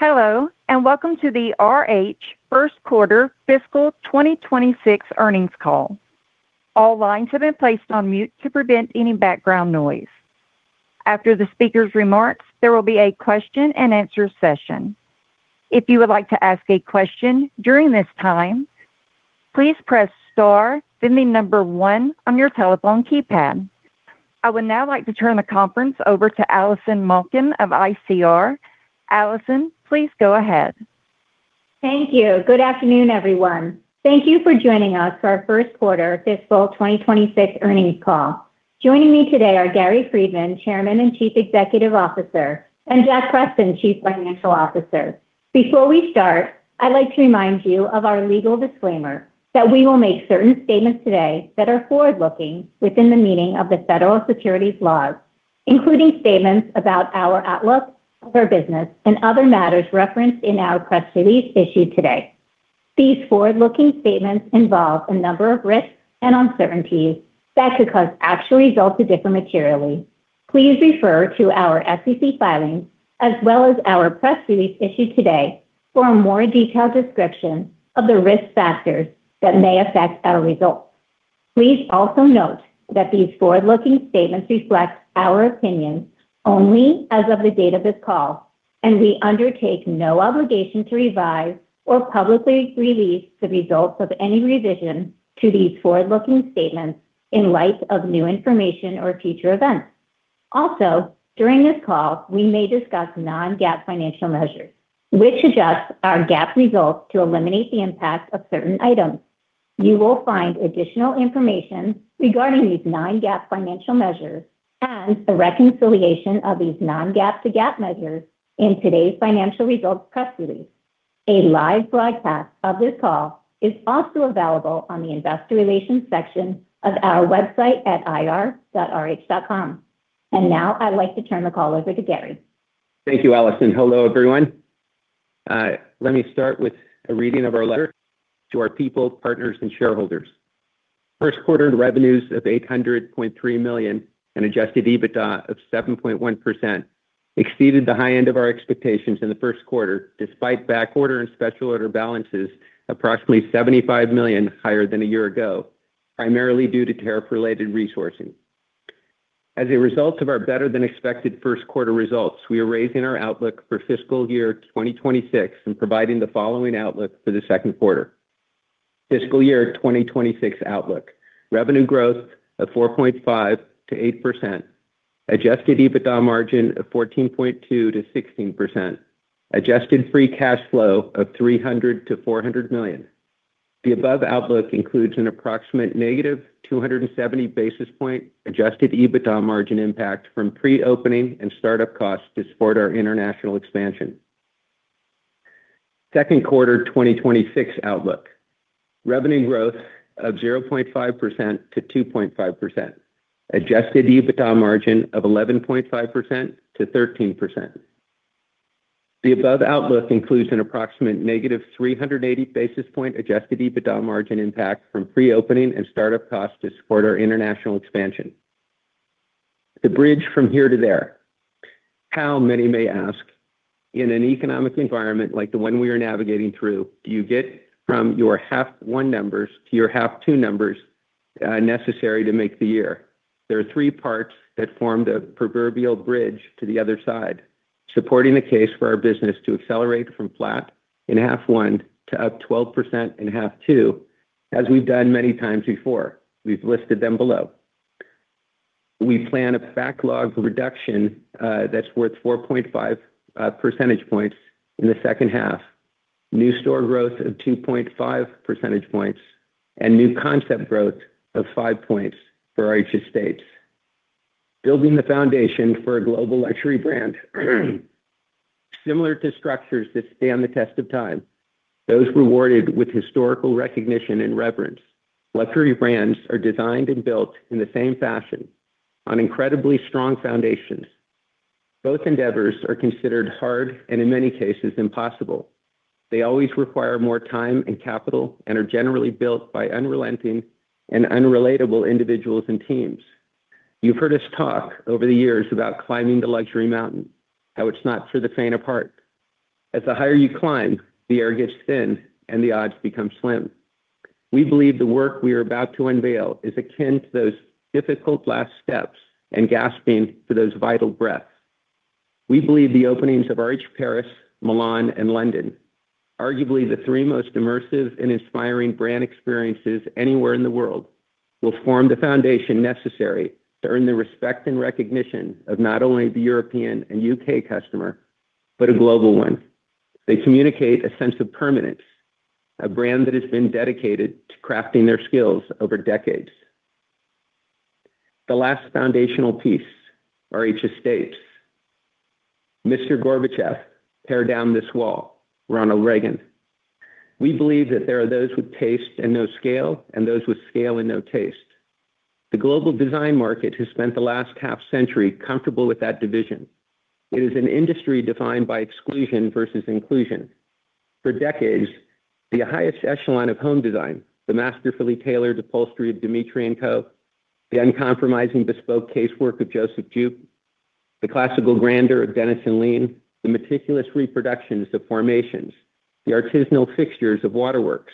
Hello, welcome to the RH first quarter fiscal 2026 earnings call. All lines have been placed on mute to prevent any background noise. After the speaker's remarks, there will be a question and answer session. If you would like to ask a question during this time, please press star then the number one on your telephone keypad. I would now like to turn the conference over to Allison Malkin of ICR. Allison, please go ahead. Thank you. Good afternoon, everyone. Thank you for joining us for our first quarter fiscal 2026 earnings call. Joining me today are Gary Friedman, Chairman and Chief Executive Officer, and Jack Preston, Chief Financial Officer. Before we start, I'd like to remind you of our legal disclaimer that we will make certain statements today that are forward-looking within the meaning of the federal securities laws, including statements about our outlook, our business, and other matters referenced in our press release issued today. These forward-looking statements involve a number of risks and uncertainties that could cause actual results to differ materially. Please refer to our SEC filings, as well as our press release issued today for a more detailed description of the risk factors that may affect our results. Please also note that these forward-looking statements reflect our opinions only as of the date of this call. We undertake no obligation to revise or publicly release the results of any revision to these forward-looking statements in light of new information or future events. During this call, we may discuss non-GAAP financial measures, which adjust our GAAP results to eliminate the impact of certain items. You will find additional information regarding these non-GAAP financial measures and a reconciliation of these non-GAAP to GAAP measures in today's financial results press release. A live broadcast of this call is also available on the investor relations section of our website at ir.rh.com. Now I'd like to turn the call over to Gary. Thank you, Allison. Hello, everyone. Let me start with a reading of our letter to our people, partners, and shareholders. First quarter revenues of $800.3 million and adjusted EBITDA of 7.1% exceeded the high end of our expectations in the first quarter, despite back order and special order balances approximately $75 million higher than a year ago, primarily due to tariff-related resourcing. As a result of our better-than-expected first quarter results, we are raising our outlook for fiscal year 2026 and providing the following outlook for the second quarter. Fiscal year 2026 outlook: revenue growth of 4.5%-8%, adjusted EBITDA margin of 14.2%-16%, adjusted free cash flow of $300 million-$400 million. The above outlook includes an approximate -270 basis point adjusted EBITDA margin impact from pre-opening and start-up costs to support our international expansion. Second quarter 2026 outlook: revenue growth of 0.5%-2.5%, adjusted EBITDA margin of 11.5%-13%. The above outlook includes an approximate -380 basis point adjusted EBITDA margin impact from pre-opening and start-up costs to support our international expansion. The bridge from here to there. How, many may ask, in an economic environment like the one we are navigating through, do you get from your half one numbers to your half two numbers necessary to make the year? There are three parts that form the proverbial bridge to the other side, supporting the case for our business to accelerate from flat in half one to up 12% in half two, as we've done many times before. We've listed them below. We plan a backlog reduction that's worth 4.5 percentage points in the second half, new store growth of 2.5 percentage points, and new concept growth of five points for RH Estates. Building the foundation for a global luxury brand. Similar to structures that stand the test of time, those rewarded with historical recognition and reverence, luxury brands are designed and built in the same fashion, on incredibly strong foundations. Both endeavors are considered hard and in many cases impossible. They always require more time and capital and are generally built by unrelenting and unrelatable individuals and teams. You've heard us talk over the years about climbing the luxury mountain, how it's not for the faint of heart. As the higher you climb, the air gets thin, and the odds become slim. We believe the work we are about to unveil is akin to those difficult last steps and gasping for those vital breaths. We believe the openings of RH Paris, Milan, and London, arguably the three most immersive and inspiring brand experiences anywhere in the world, will form the foundation necessary to earn the respect and recognition of not only the European and U.K. customer, but a global one. They communicate a sense of permanence, a brand that has been dedicated to crafting their skills over decades. The last foundational piece, RH Estates. "Mr. Gorbachev, tear down this wall," Ronald Reagan. We believe that there are those with taste and no scale, and those with scale and no taste. The global design market has spent the last half-century comfortable with that division. It is an industry defined by exclusion versus inclusion. For decades, the highest echelon of home design, the masterfully tailored upholstery of Dmitriy & Co, the uncompromising bespoke casework of Joseph Jeup, the classical grandeur of Dennis & Leen, the meticulous reproductions of Formations, the artisanal fixtures of Waterworks,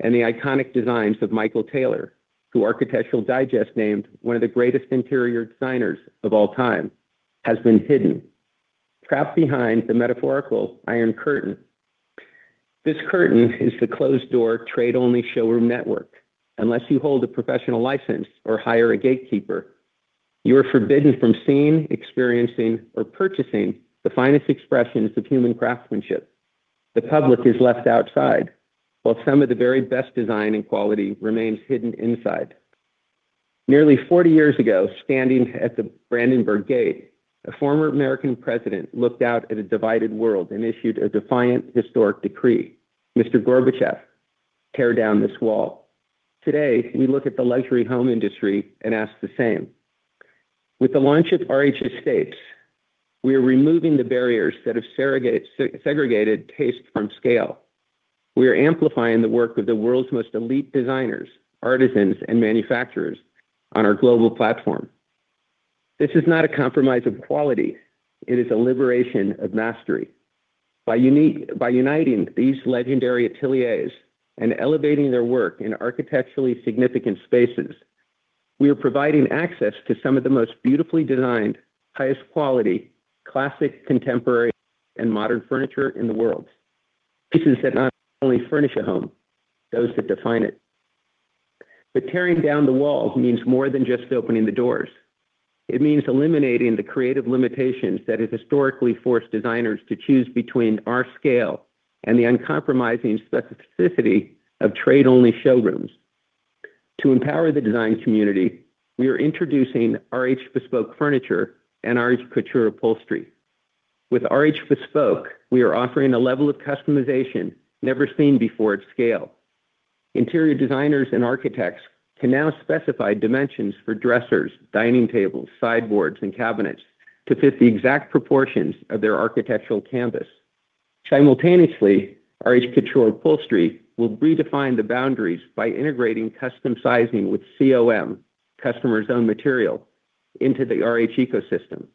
and the iconic designs of Michael Taylor, who Architectural Digest named one of the greatest interior designers of all time, has been hidden, trapped behind the metaphorical Iron Curtain. This curtain is the closed-door, trade-only showroom network. Unless you hold a professional license or hire a gatekeeper, you are forbidden from seeing, experiencing, or purchasing the finest expressions of human craftsmanship. The public is left outside, while some of the very best design and quality remains hidden inside. Nearly 40 years ago, standing at the Brandenburg Gate, a former American president looked out at a divided world and issued a defiant historic decree, "Mr. Gorbachev, tear down this wall." Today, we look at the luxury home industry and ask the same. With the launch of RH Estates, we are removing the barriers that have segregated taste from scale. We are amplifying the work of the world's most elite designers, artisans, and manufacturers on our global platform. This is not a compromise of quality. It is a liberation of mastery. By uniting these legendary ateliers and elevating their work in architecturally significant spaces, we are providing access to some of the most beautifully designed, highest quality, classic, contemporary, and modern furniture in the world. Pieces that not only furnish a home, those that define it. Tearing down the walls means more than just opening the doors. It means eliminating the creative limitations that have historically forced designers to choose between our scale and the uncompromising specificity of trade-only showrooms. To empower the design community, we are introducing RH Bespoke Furniture and RH Couture Upholstery. With RH Bespoke, we are offering a level of customization never seen before at scale. Interior designers and architects can now specify dimensions for dressers, dining tables, sideboards, and cabinets to fit the exact proportions of their architectural canvas. Simultaneously, RH Couture Upholstery will redefine the boundaries by integrating custom sizing with COM, customer's own material, into the RH ecosystem.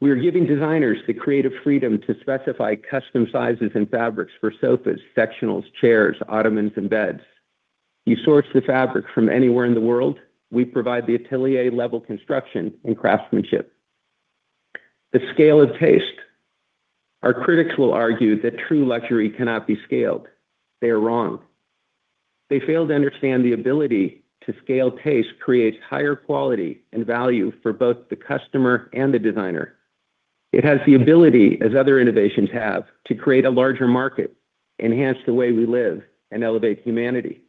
We are giving designers the creative freedom to specify custom sizes and fabrics for sofas, sectionals, chairs, ottomans, and beds. You source the fabric from anywhere in the world, we provide the atelier-level construction and craftsmanship. The scale of taste. Our critics will argue that true luxury cannot be scaled. They are wrong. They fail to understand the ability to scale taste creates higher quality and value for both the customer and the designer. It has the ability, as other innovations have, to create a larger market, enhance the way we live, and elevate humanity.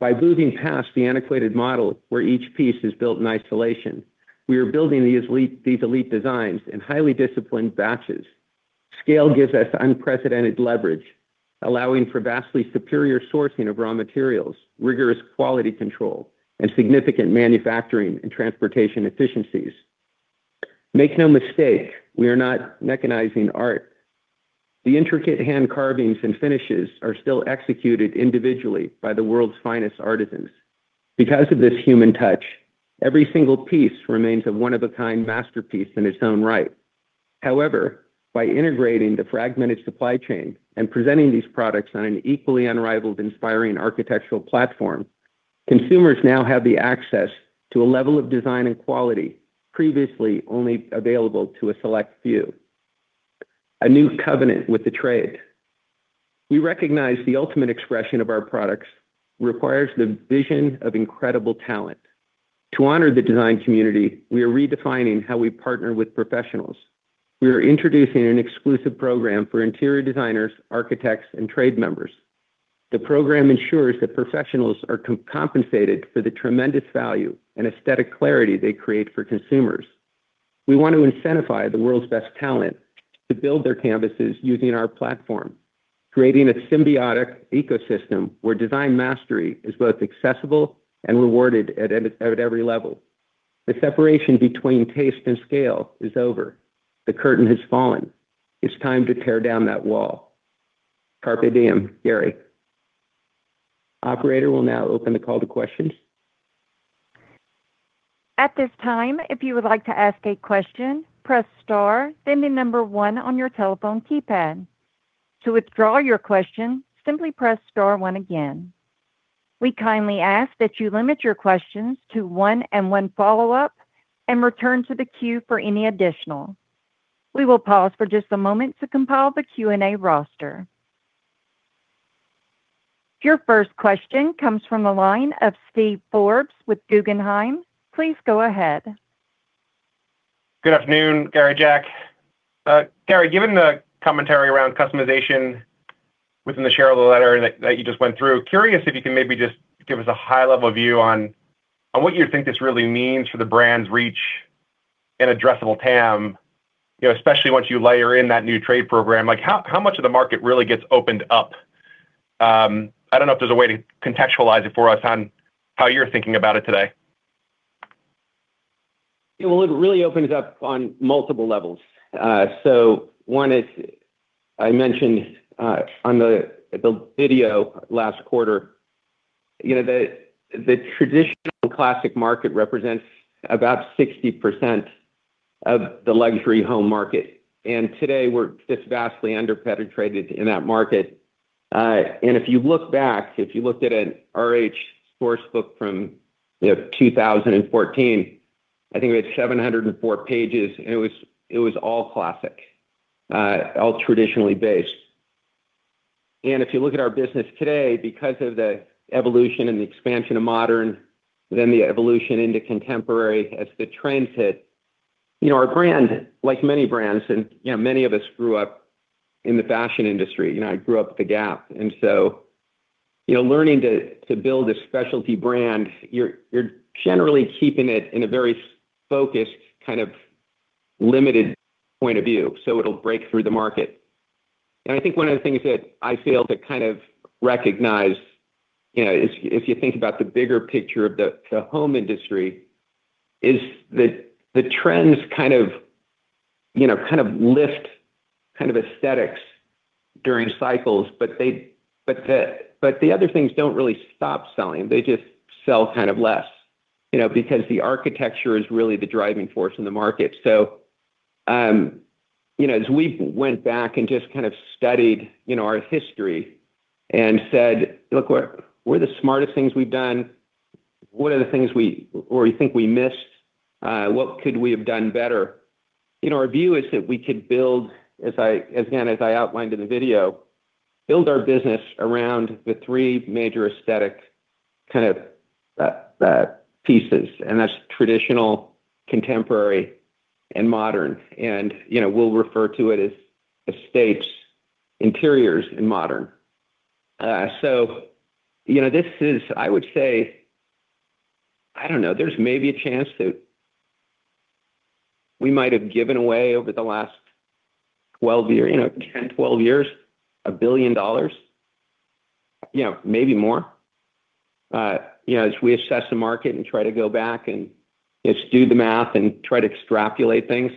By moving past the antiquated model where each piece is built in isolation, we are building these elite designs in highly disciplined batches. Scale gives us unprecedented leverage, allowing for vastly superior sourcing of raw materials, rigorous quality control, and significant manufacturing and transportation efficiencies. Make no mistake, we are not mechanizing art. The intricate hand carvings and finishes are still executed individually by the world's finest artisans. Because of this human touch, every single piece remains a one-of-a-kind masterpiece in its own right. By integrating the fragmented supply chain and presenting these products on an equally unrivaled inspiring architectural platform, consumers now have the access to a level of design and quality previously only available to a select few. A new covenant with the trade. We recognize the ultimate expression of our products requires the vision of incredible talent. To honor the design community, we are redefining how we partner with professionals. We are introducing an exclusive program for interior designers, architects, and trade members. The program ensures that professionals are compensated for the tremendous value and aesthetic clarity they create for consumers. We want to incentivize the world's best talent to build their canvases using our platform, creating a symbiotic ecosystem where design mastery is both accessible and rewarded at every level. The separation between taste and scale is over. The curtain has fallen. It's time to tear down that wall. Carpe diem, Gary. Operator will now open the call to questions. At this time, if you would like to ask a question, press star, then the number one on your telephone keypad. To withdraw your question, simply press star-one again. We kindly ask that you limit your questions to one and one follow-up and return to the queue for any additional. We will pause for just a moment to compile the Q&A roster. Your first question comes from the line of Steven Forbes with Guggenheim. Please go ahead. Good afternoon, Gary, Jack. Gary, given the commentary around customization within the shareholder letter that you just went through, curious if you can maybe just give us a high-level view on what you think this really means for the brand's reach and addressable TAM, especially once you layer in that new trade program. How much of the market really gets opened up? I do not know if there is a way to contextualize it for us on how you are thinking about it today. One is, I mentioned on the video last quarter, the traditional classic market represents about 60% of the luxury home market. Today, we are just vastly under-penetrated in that market. If you look back, if you looked at an RH source book from 2014, I think we had 704 pages, it was all classic, all traditionally based. If you look at our business today, because of the evolution and the expansion of modern, the evolution into contemporary as the trends hit, our brand, like many brands, and many of us grew up in the fashion industry. I grew up with The Gap. Learning to build a specialty brand, you are generally keeping it in a very focused kind of limited point of view, so it will break through the market. I think one of the things that I failed to kind of recognize, if you think about the bigger picture of the home industry, is that the trends kind of lift aesthetics during cycles. The other things don't really stop selling. They just sell kind of less, because the architecture is really the driving force in the market. As we went back and just kind of studied our history and said, "Look, what are the smartest things we've done? What are the things we think we missed? What could we have done better?" Our view is that we could build, again, as I outlined in the video, build our business around the three major aesthetic kind of pieces, and that's traditional, contemporary, and modern. We'll refer to it as Estates, Interiors, and Modern. This is, I would say, I don't know, there's maybe a chance that we might have given away over the last 10, 12 years, $1 billion, maybe more. As we assess the market and try to go back and just do the math and try to extrapolate things.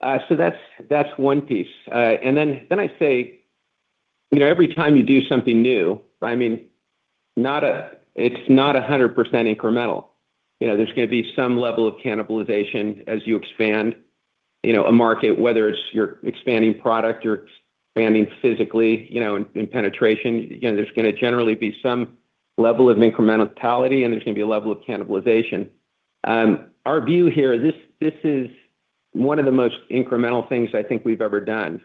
That's one piece. Then I say, every time you do something new, it's not 100% incremental. There's going to be some level of cannibalization as you expand a market, whether it's you're expanding product, you're expanding physically in penetration. There's going to generally be some level of incrementality and there's going to be a level of cannibalization. Our view here, this is one of the most incremental things I think we've ever done.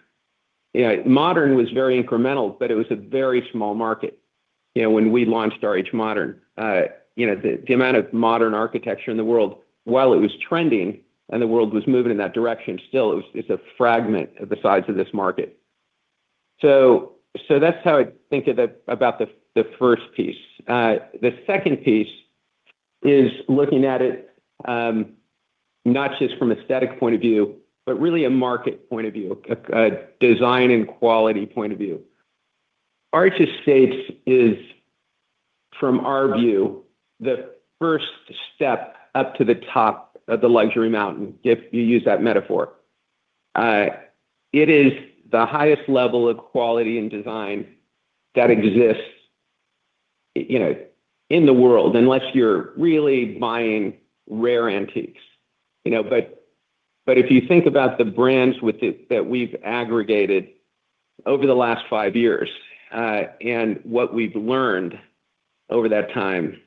Modern was very incremental, but it was a very small market, when we launched RH Modern. The amount of modern architecture in the world, while it was trending and the world was moving in that direction, still, it's a fragment of the size of this market. That's how I think about the first piece. The second piece is looking at it, not just from aesthetic point of view, but really a market point of view, a design and quality point of view. RH Estates is, from our view, the first step up to the top of the luxury mountain, if you use that metaphor. It is the highest level of quality and design that exists in the world, unless you're really buying rare antiques. If you think about the brands that we've aggregated over the last five years, and what we've learned over that time,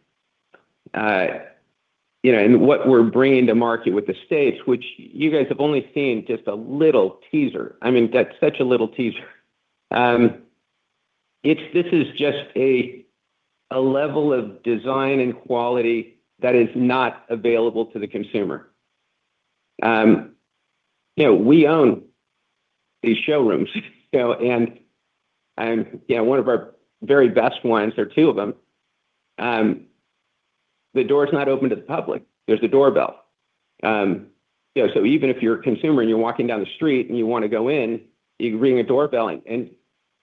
and what we're bringing to market with Estates, which you guys have only seen just a little teaser. That's such a little teaser. This is just a level of design and quality that is not available to the consumer. We own these showrooms. One of our very best ones, there are two of them, the door's not open to the public. There's a doorbell. Even if you're a consumer and you're walking down the street and you want to go in, you can ring a doorbell, and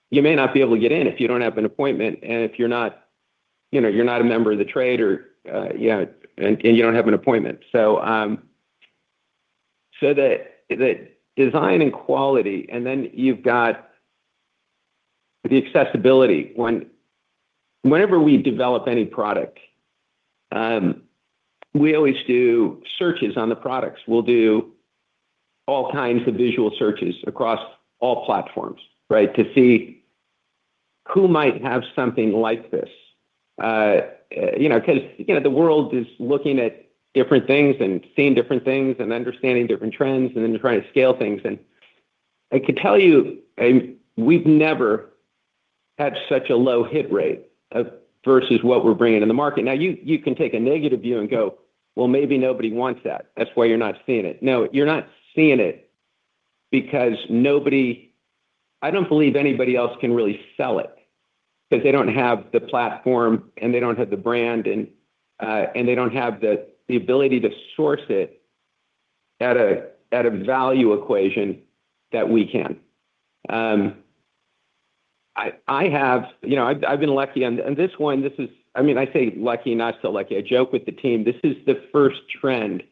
you may not be able to get in if you don't have an appointment and if you're not a member of the trade, and you don't have an appointment. The design and quality, and then you've got the accessibility. Whenever we develop any product, we always do searches on the products. We'll do all kinds of visual searches across all platforms, right, to see who might have something like this. The world is looking at different things and seeing different things and understanding different trends, and then trying to scale things. I can tell you, we've never had such a low hit rate versus what we're bringing in the market. You can take a negative view and go, "Well, maybe nobody wants that. That's why you're not seeing it." You're not seeing it because nobody, I don't believe anybody else can really sell it, because they don't have the platform, and they don't have the brand, and they don't have the ability to source it at a value equation that we can. I've been lucky. This one, I say lucky, not so lucky. I joke with the team, this is the first trend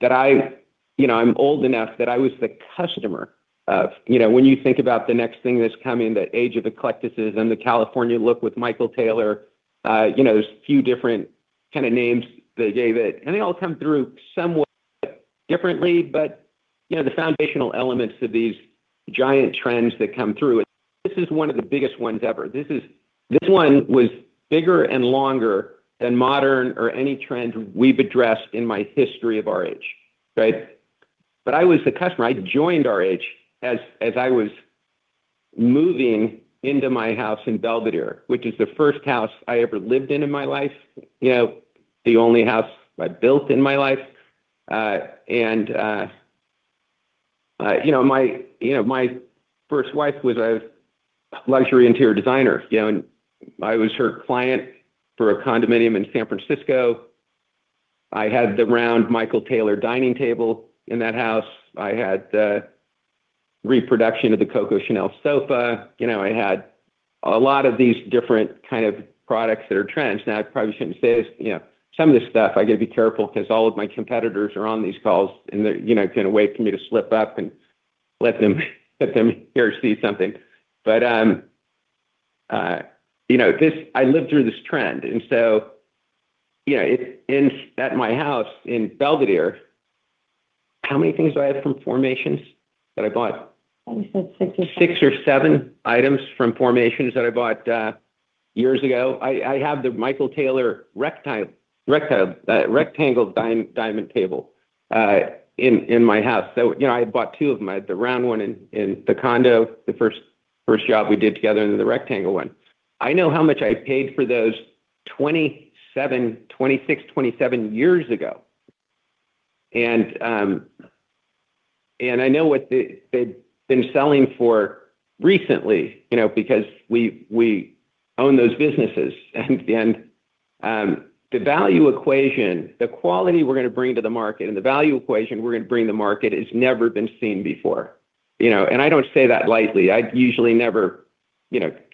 that I'm old enough that I was the customer of. When you think about the next thing that's coming, the age of eclecticism, the California look with Michael Taylor, there's a few different kind of names they gave it, and they all come through somewhat differently. The foundational elements of these giant trends that come through, this is one of the biggest ones ever. This one was bigger and longer than modern or any trend we've addressed in my history of RH. Right? I was the customer. I joined RH as I was moving into my house in Belvedere, which is the first house I ever lived in in my life, the only house I built in my life. My first wife was a luxury interior designer, and I was her client for a condominium in San Francisco. I had the round Michael Taylor dining table in that house. I had the reproduction of the Coco Chanel sofa. I had a lot of these different kind of products that are trends. I probably shouldn't say this. Some of this stuff, I got to be careful because all of my competitors are on these calls, and they're going to wait for me to slip up and let them hear or see something. I lived through this trend, at my house in Belvedere, how many things do I have from Formations that I bought? I would say six or seven. Six or seven items from Formations that I bought years ago. I have the Michael Taylor rectangle diamond table in my house. I bought two of them. I had the round one in the condo, the first job we did together, then the rectangle one. I know how much I paid for those 26, 27 years ago. I know what they've been selling for recently because we own those businesses. The value equation, the quality we're going to bring to the market, the value equation we're going to bring to the market has never been seen before. I don't say that lightly. I usually never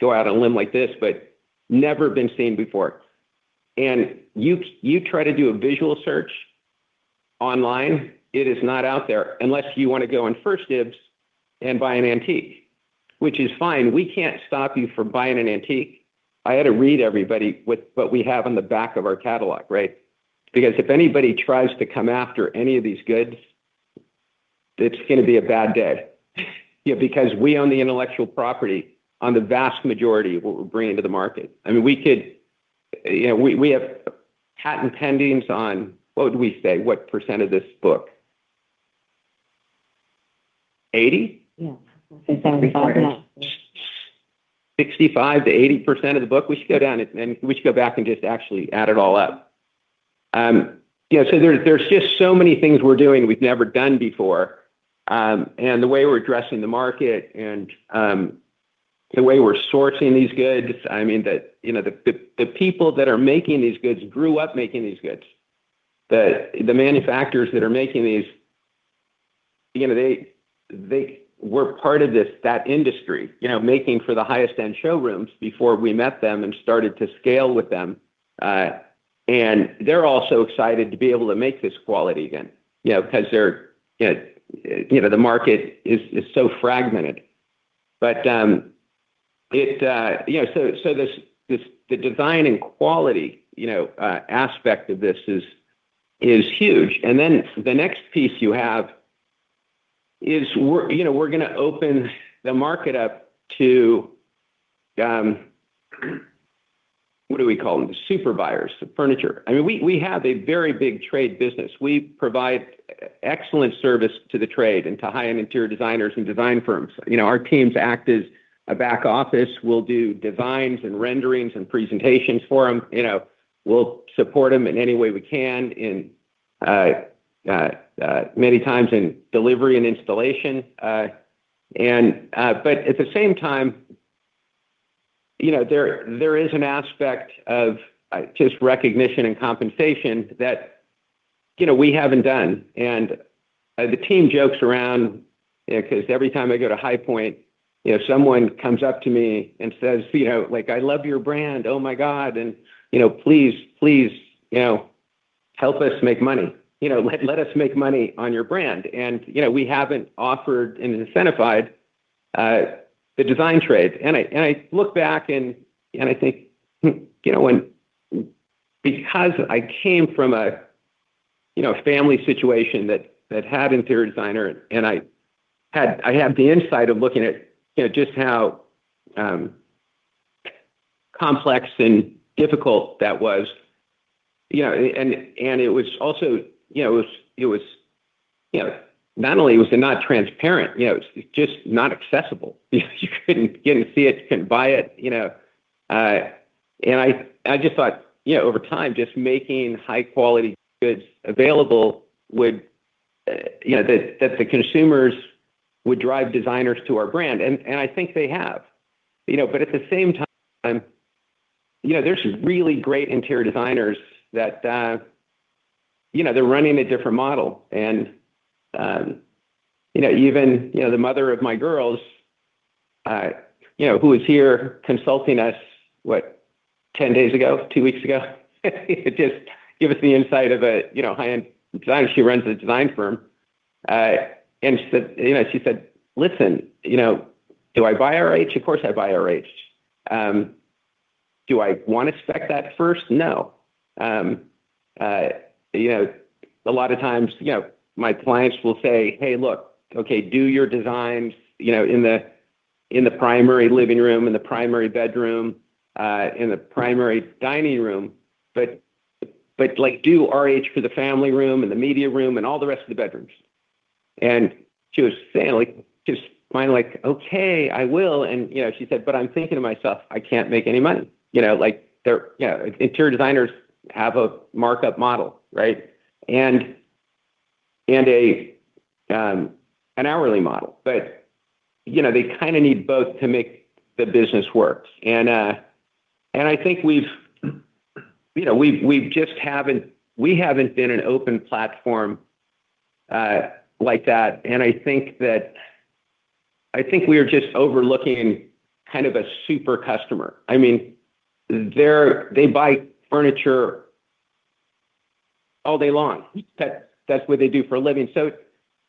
go out on a limb like this, but never been seen before. You try to do a visual search online, it is not out there unless you want to go on 1stDibs and buy an antique, which is fine. We can't stop you from buying an antique. I had to read everybody what we have on the back of our catalog, right? If anybody tries to come after any of these goods, it's going to be a bad day, because we own the intellectual property on the vast majority of what we're bringing to the market. We have patent pendings on, what would we say? What percent of this book? 80? Yeah. 65% now. 65%-80% of the book. We should go back and just actually add it all up. There's just so many things we're doing we've never done before. The way we're addressing the market and the way we're sourcing these goods, the people that are making these goods grew up making these goods. The manufacturers that are making these, they were part of that industry, making for the highest end showrooms before we met them and started to scale with them. They're also excited to be able to make this quality again, because the market is so fragmented. The design and quality aspect of this is huge. The next piece you have is we're going to open the market up to, what do we call them? Super buyers of furniture. We have a very big trade business. We provide excellent service to the trade and to high-end interior designers and design firms. Our teams act as a back office. We'll do designs and renderings and presentations for them. We'll support them in any way we can, many times in delivery and installation. At the same time, there is an aspect of just recognition and compensation that we haven't done. The team jokes around because every time I go to High Point, someone comes up to me and says, "I love your brand. Oh, my God." "Please help us make money. Let us make money on your brand." We haven't offered and incentivized the design trades. I look back and I think because I came from a family situation that had interior designer, and I have the insight of looking at just how complex and difficult that was. It was also, not only was it not transparent, it was just not accessible. You couldn't get to see it. You couldn't buy it. I just thought over time, just making high quality goods available, that the consumers would drive designers to our brand, and I think they have. At the same time, there's really great interior designers that they're running a different model. Even the mother of my girls who was here consulting us, what, 10 days ago? Two weeks ago? To just give us the insight of a high-end designer. She runs a design firm. She said, "Listen, do I buy RH? Of course, I buy RH. Do I want to spec that first? No." A lot of times, my clients will say, "Hey, look, okay, do your designs in the primary living room, in the primary bedroom, in the primary dining room but do RH for the family room and the media room and all the rest of the bedrooms." She was smiling like, "Okay, I will." She said, "I'm thinking to myself, I can't make any money." Interior designers have a markup model, right? An hourly model. They kind of need both to make the business work. I think we haven't been an open platform like that, and I think we are just overlooking kind of a super customer. They buy furniture all day long. That's what they do for a living.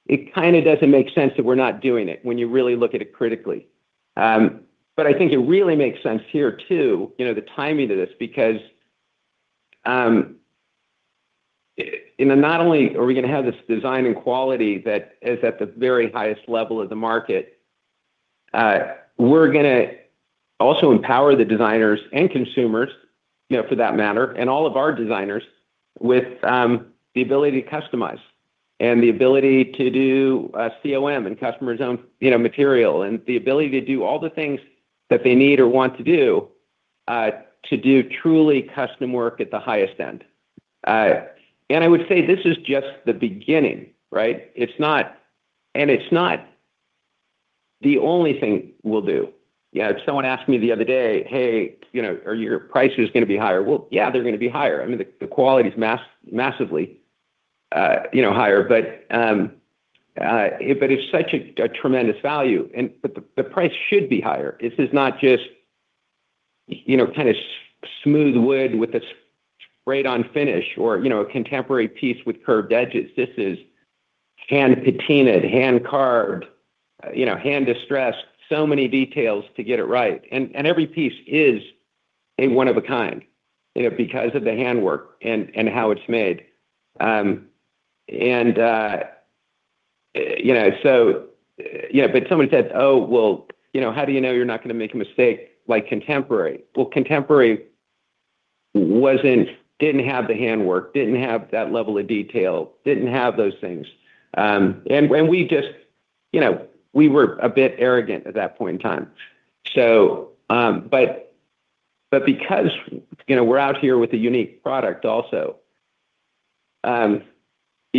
It kind of doesn't make sense that we're not doing it when you really look at it critically. I think it really makes sense here, too, the timing of this because not only are we going to have this design and quality that is at the very highest level of the market, we're going to also empower the designers and consumers, for that matter, and all of our designers with the ability to customize and the ability to do COM and customer's own material and the ability to do all the things that they need or want to do to do truly custom work at the highest end. I would say this is just the beginning, right? It's not the only thing we'll do. Someone asked me the other day, "Hey, are your prices going to be higher?" Yeah, they're going to be higher. I mean, the quality's massively higher. It's such a tremendous value. The price should be higher. This is not just kind of smooth wood with a sprayed-on finish or a contemporary piece with curved edges. This is hand-patinated, hand-carved, hand-distressed. So many details to get it right. Every piece is a one of a kind because of the handwork and how it is made. Somebody said, "Oh, how do you know you're not going to make a mistake like contemporary?" Contemporary didn't have the handwork, didn't have that level of detail, didn't have those things. We were a bit arrogant at that point in time. Because we're out here with a unique product also,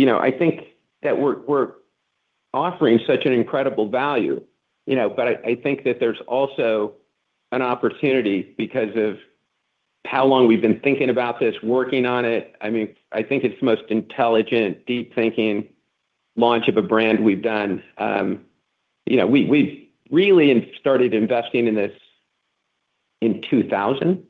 I think that we're offering such an incredible value. I think that there's also an opportunity because of how long we've been thinking about this, working on it. I think it's the most intelligent, deep-thinking launch of a brand we've done. We've really started investing in this in 2000.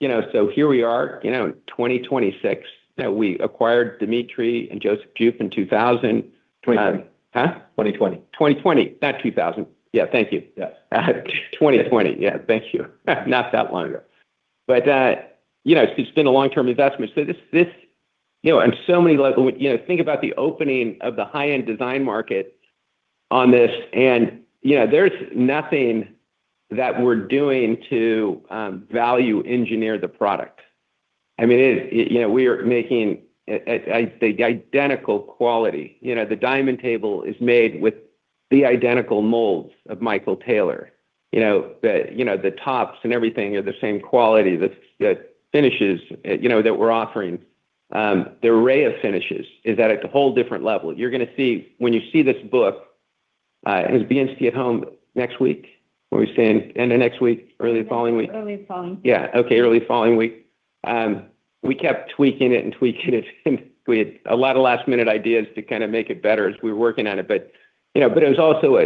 Here we are, 2026. We acquired Dmitriy and Joseph Jeup in 2000. 2020. Huh? 2020. 2020, not 2000. Yeah. Thank you. Yes. 2020. Yeah. Thank you. Not that long ago. It's been a long-term investment. Think about the opening of the high-end design market on this, there's nothing that we're doing to value engineer the product. We are making, I'd say, identical quality. The diamond table is made with the identical molds of Michael Taylor. The tops and everything are the same quality, the finishes that we're offering. The array of finishes is at a whole different level. You're going to see when you see this book, it was BNST at Home next week? What are we saying, end of next week? Early the following week? Early the following. Yeah. Okay. Early following week. We kept tweaking it and tweaking it, we had a lot of last-minute ideas to kind of make it better as we were working on it. It was also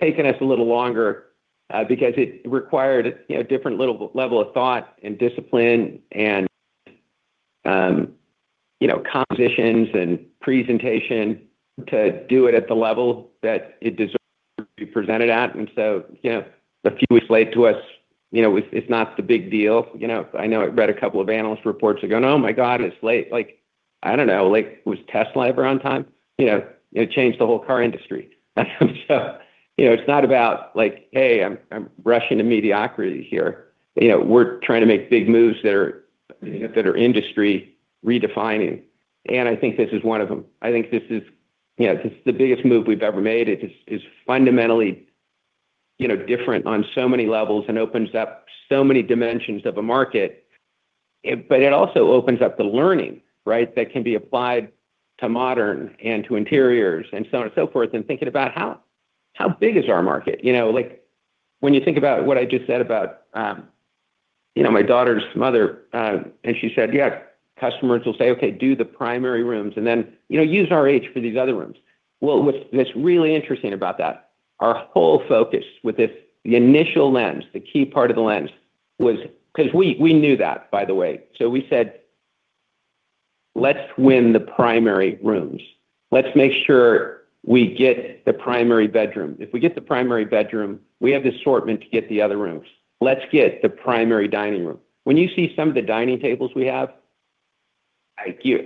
taking us a little longer because it required a different level of thought and discipline and compositions and presentation to do it at the level that it deserves to be presented at. A few weeks late to us it's not the big deal. I know I read a couple of analyst reports that are going, "Oh my God, it's late." I don't know. Was Tesla ever on time? It changed the whole car industry. It's not about, "Hey, I'm rushing to mediocrity here." We're trying to make big moves that are industry redefining. I think this is one of them. I think this is the biggest move we've ever made. It is fundamentally different on so many levels and opens up so many dimensions of a market. It also opens up the learning, right, that can be applied to modern and to interiors and so on and so forth. Thinking about how big is our market? When you think about what I just said about my daughter's mother, and she said, "Yeah, customers will say, 'Okay, do the primary rooms, and then use RH for these other rooms.'" Well, what's really interesting about that, our whole focus with the initial lens, the key part of the lens was Because we knew that, by the way. We said, "Let's win the primary rooms. Let's make sure we get the primary bedroom. If we get the primary bedroom, we have the assortment to get the other rooms. Let's get the primary dining room." When you see some of the dining tables we have, you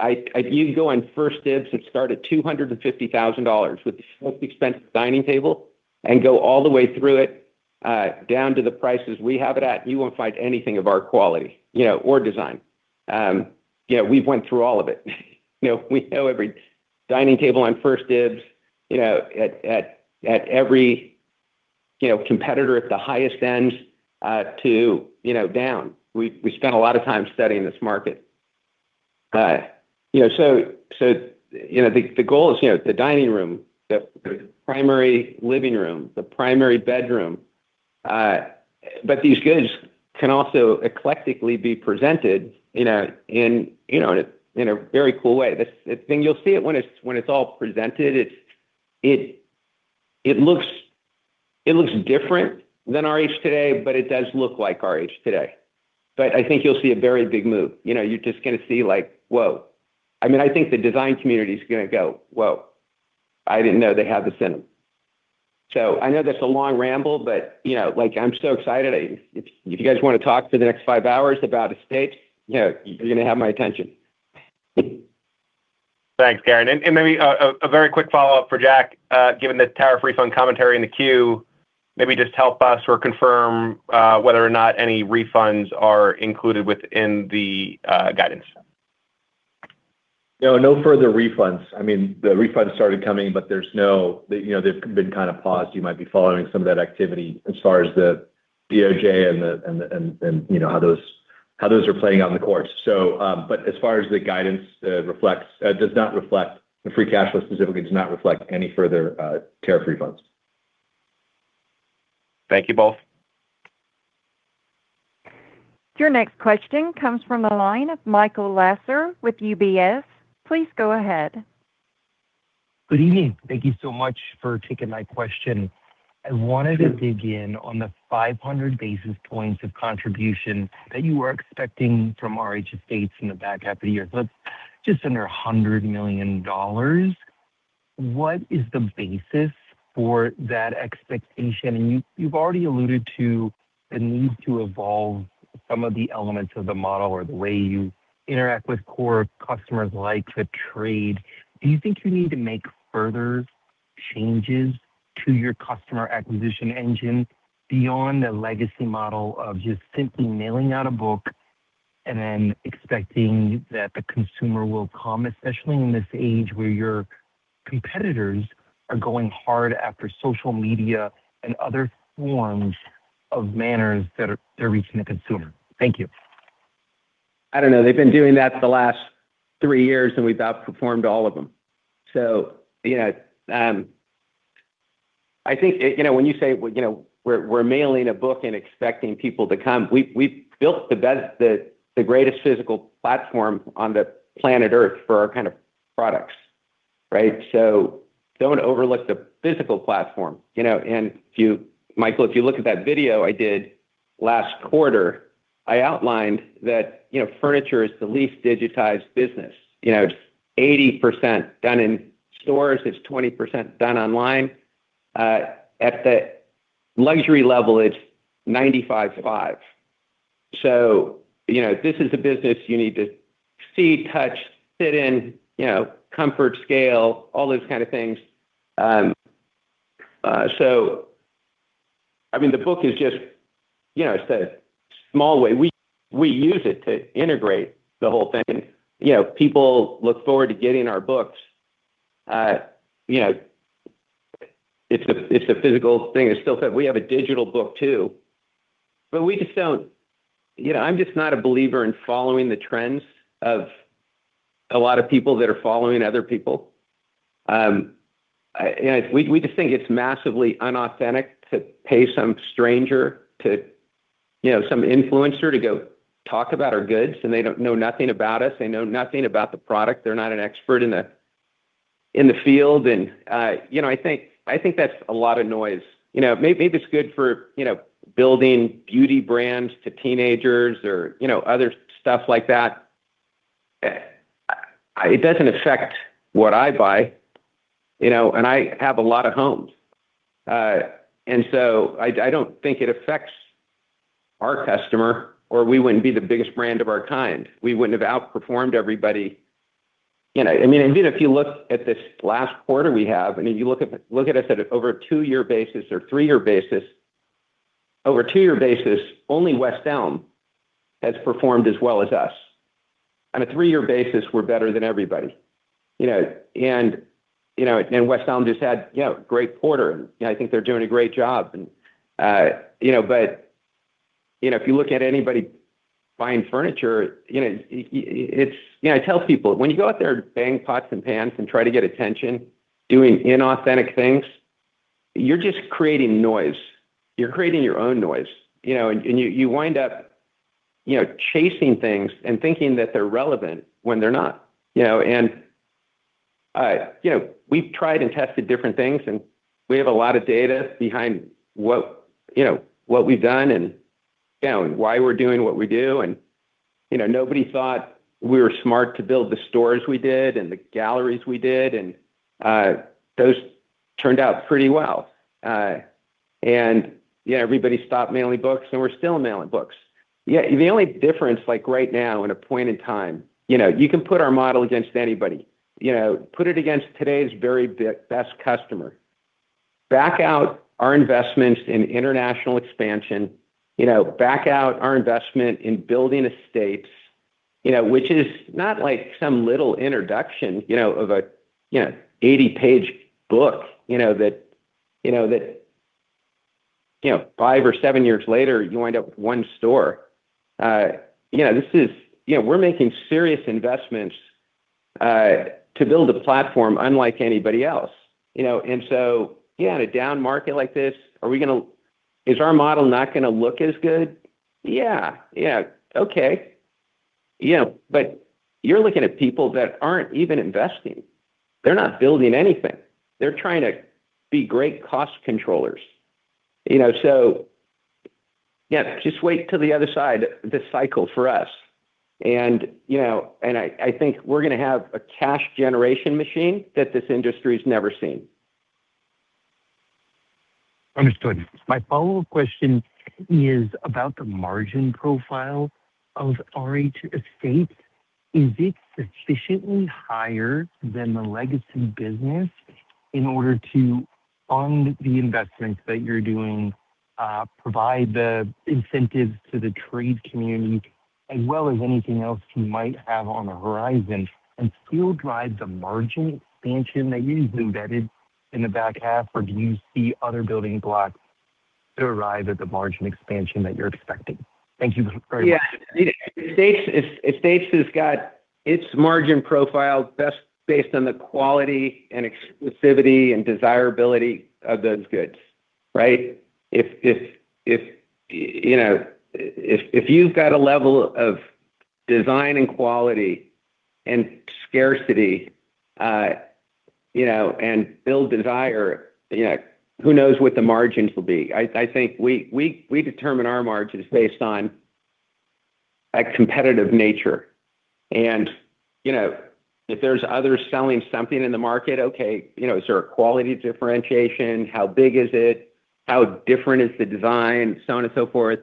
go on 1stDibs that start at $250,000 with the most expensive dining table and go all the way through it, down to the prices we have it at. You won't find anything of our quality or design. We've went through all of it. We know every dining table on 1stDibs, at every competitor at the highest end to down. We spent a lot of time studying this market. The goal is the dining room, the primary living room, the primary bedroom. These goods can also eclectically be presented in a very cool way. You'll see it when it's all presented. It looks different than RH today, but it does look like RH today. I think you'll see a very big move. You're just going to see, like, "Whoa." I think the design community's going to go, "Whoa, I didn't know they had this in them." I know that's a long ramble, but I'm so excited. If you guys want to talk for the next five hours about RH Estates, you're going to have my attention. Thanks, Gary. Maybe a very quick follow-up for Jack. Given the tariff refund commentary in the queue, maybe just help us or confirm whether or not any refunds are included within the guidance. No further refunds. The refunds started coming, but they've been kind of paused. You might be following some of that activity as far as the DOJ and how those are playing out in the course. As far as the guidance reflects, does not reflect the free cash flow specifically, does not reflect any further tariff refunds. Thank you both. Your next question comes from the line of Michael Lasser with UBS. Please go ahead. Good evening. Thank you so much for taking my question. Sure. I wanted to dig in on the 500 basis points of contribution that you were expecting from RH Estates in the back half of the year. That's just under $100 million. What is the basis for that expectation? You've already alluded to the need to evolve some of the elements of the model or the way you interact with core customers like to trade. Do you think you need to make further changes to your customer acquisition engine beyond the legacy model of just simply mailing out a book and then expecting that the consumer will come, especially in this age where your competitors are going hard after social media and other forms of media that are reaching the consumer? Thank you. I don't know. They've been doing that for the last three years, and we've outperformed all of them. I think, when you say we're mailing a book and expecting people to come, we've built the greatest physical platform on the planet Earth for our kind of products. Right? Don't overlook the physical platform. Michael, if you look at that video I did last quarter, I outlined that furniture is the least digitized business. It's 80% done in stores. It's 20% done online. At the luxury level, it's 95/5. This is a business you need to see, touch, sit in, comfort, scale, all those kind of things. The book is just, it's a small way. We use it to integrate the whole thing. People look forward to getting our books. It's a physical thing. It's still said we have a digital book, too. I'm just not a believer in following the trends of a lot of people that are following other people. We just think it's massively unauthentic to pay some stranger, some influencer, to go talk about our goods, and they know nothing about us. They know nothing about the product. They're not an expert in the field. I think that's a lot of noise. Maybe it's good for building beauty brands to teenagers or other stuff like that. It doesn't affect what I buy, and I have a lot of homes. I don't think it affects our customer, or we wouldn't be the biggest brand of our kind. We wouldn't have outperformed everybody. Even if you look at this last quarter we have, and if you look at it at over a two-year basis or three-year basis. Over a two-year basis, only West Elm has performed as well as us. On a three-year basis, we're better than everybody. West Elm just had a great quarter, and I think they're doing a great job. If you look at anybody buying furniture, I tell people, when you go out there banging pots and pans and trying to get attention doing inauthentic things, you're just creating noise. You're creating your own noise. You wind up chasing things and thinking that they're relevant when they're not. We've tried and tested different things, and we have a lot of data behind what we've done and why we're doing what we do. Nobody thought we were smart to build the stores we did and the galleries we did, and those turned out pretty well. Everybody stopped mailing books, and we're still mailing books. The only difference right now in a point in time, you can put our model against anybody. Put it against today's very best customer. Back out our investments in international expansion, back out our investment in building RH Estates, which is not like some little introduction of an 80-page book that five or seven years later you wind up with one store. We're making serious investments to build a platform unlike anybody else. In a down market like this, is our model not going to look as good? Yeah. Okay. You're looking at people that aren't even investing. They're not building anything. They're trying to be great cost controllers. Yeah, just wait till the other side of this cycle for us, and I think we're going to have a cash generation machine that this industry's never seen. Understood. My follow-up question is about the margin profile of RH Estates. Is it sufficiently higher than the legacy business in order to fund the investments that you're doing, provide the incentives to the trade community, as well as anything else you might have on the horizon, and still drive the margin expansion that you've embedded in the back half? Or do you see other building blocks to arrive at the margin expansion that you're expecting? Thank you very much. Yeah. Estates has got its margin profile best based on the quality and exclusivity and desirability of those goods. Right? If you've got a level of design and quality and scarcity, and build desire, who knows what the margins will be. I think we determine our margins based on a competitive nature. If there's others selling something in the market, okay, is there a quality differentiation? How big is it? How different is the design? So on and so forth.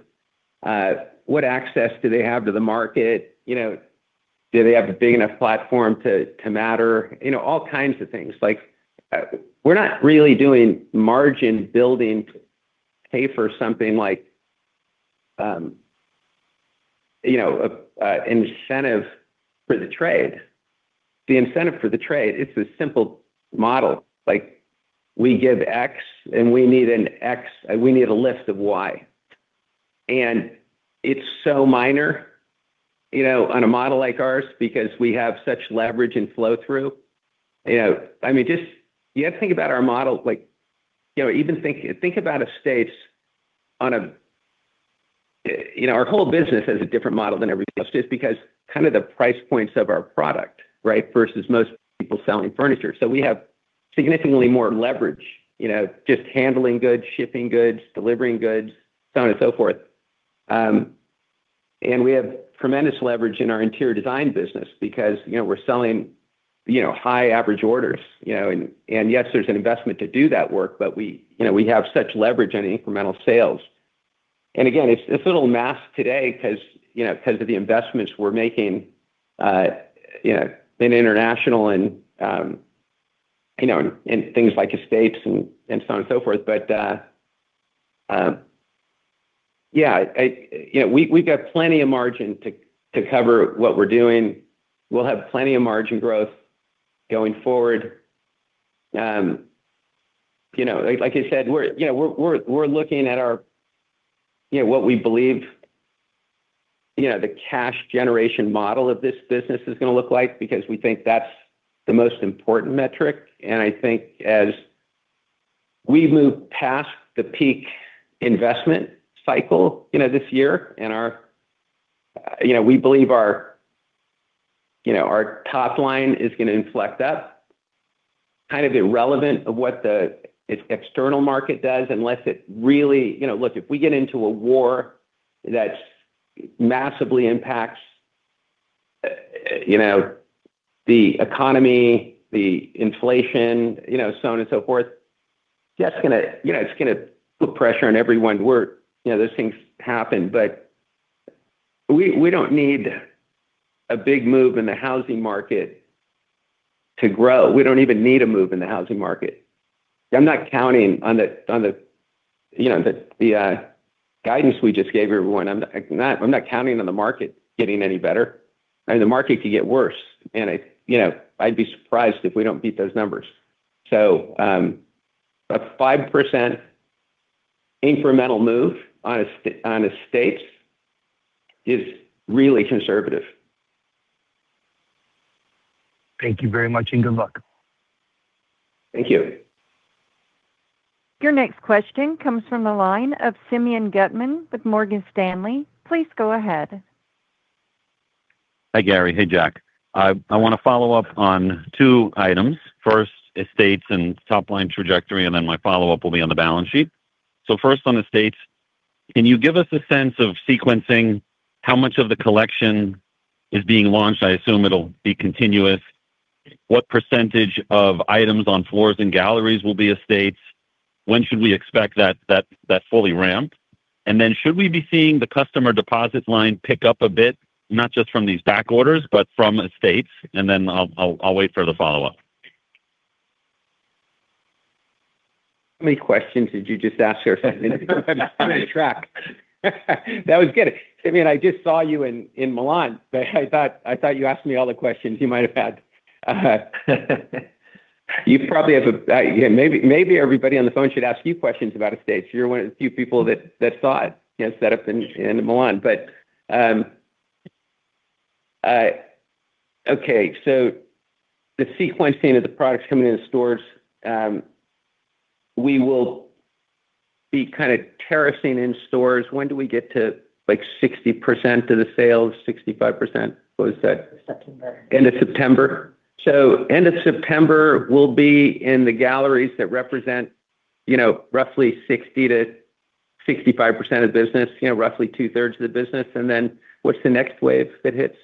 What access do they have to the market? Do they have a big enough platform to matter? All kinds of things. We're not really doing margin building to pay for something like an incentive for the trade. The incentive for the trade, it's a simple model. We give X, and we need an X, and we need a list of Y. It's so minor on a model like ours because we have such leverage and flow-through. You have to think about our model. Our whole business has a different model than everybody else just because the price points of our product, versus most people selling furniture. We have significantly more leverage, just handling goods, shipping goods, delivering goods, so on and so forth. We have tremendous leverage in our interior design business because we're selling high average orders. Yes, there's an investment to do that work, but we have such leverage on the incremental sales. Again, it's a little masked today because of the investments we're making in international and things like Estates and so on and so forth. Yeah, we've got plenty of margin to cover what we're doing. We'll have plenty of margin growth going forward. Like I said, we're looking at what we believe the cash generation model of this business is going to look like because we think that's the most important metric. I think as we've moved past the peak investment cycle this year, we believe our top line is going to inflect up, kind of irrelevant of what the external market does, unless it really Look, if we get into a war that massively impacts the economy, the inflation, so on and so forth, that's going to put pressure on everyone. Those things happen. We don't need a big move in the housing market to grow. We don't even need a move in the housing market. I'm not counting on the guidance we just gave everyone. I'm not counting on the market getting any better. The market could get worse, I'd be surprised if we don't beat those numbers. A 5% incremental move on Estates is really conservative. Thank you very much, and good luck. Thank you. Your next question comes from the line of Simeon Gutman with Morgan Stanley. Please go ahead. Hi, Gary. Hey, Jack. I want to follow up on two items. First, Estates and top-line trajectory, and then my follow-up will be on the balance sheet. First on Estates, can you give us a sense of sequencing, how much of the collection is being launched? I assume it'll be continuous. What percentage of items on floors and galleries will be Estates? When should we expect that fully ramped? Should we be seeing the customer deposits line pick up a bit, not just from these back orders, but from Estates? I'll wait for the follow-up. How many questions did you just ask there a second ago? I'm trying to track. That was good. Simeon, I just saw you in Milan, but I thought you asked me all the questions you might have had. Maybe everybody on the phone should ask you questions about estates. You're one of the few people that saw it, that was set up in Milan. Okay. The sequencing of the products coming into stores, we will be kind of terracing in stores. When do we get to 60% of the sales, 65%? What was that? September. End of September. End of September, we'll be in the galleries that represent roughly 60%-65% of the business, roughly two-thirds of the business. What's the next wave that hits,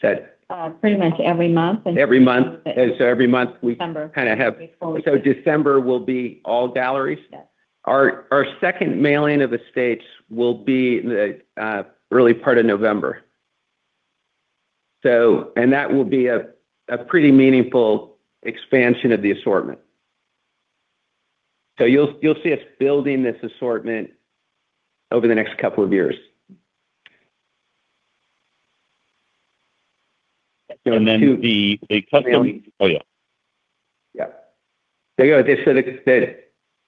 Sed? Pretty much every month. Every month. December will be all galleries? Yes. Our second mailing of estates will be the early part of November. That will be a pretty meaningful expansion of the assortment. You'll see us building this assortment over the next couple of years. The customer. Oh, yeah. Yeah. There you go.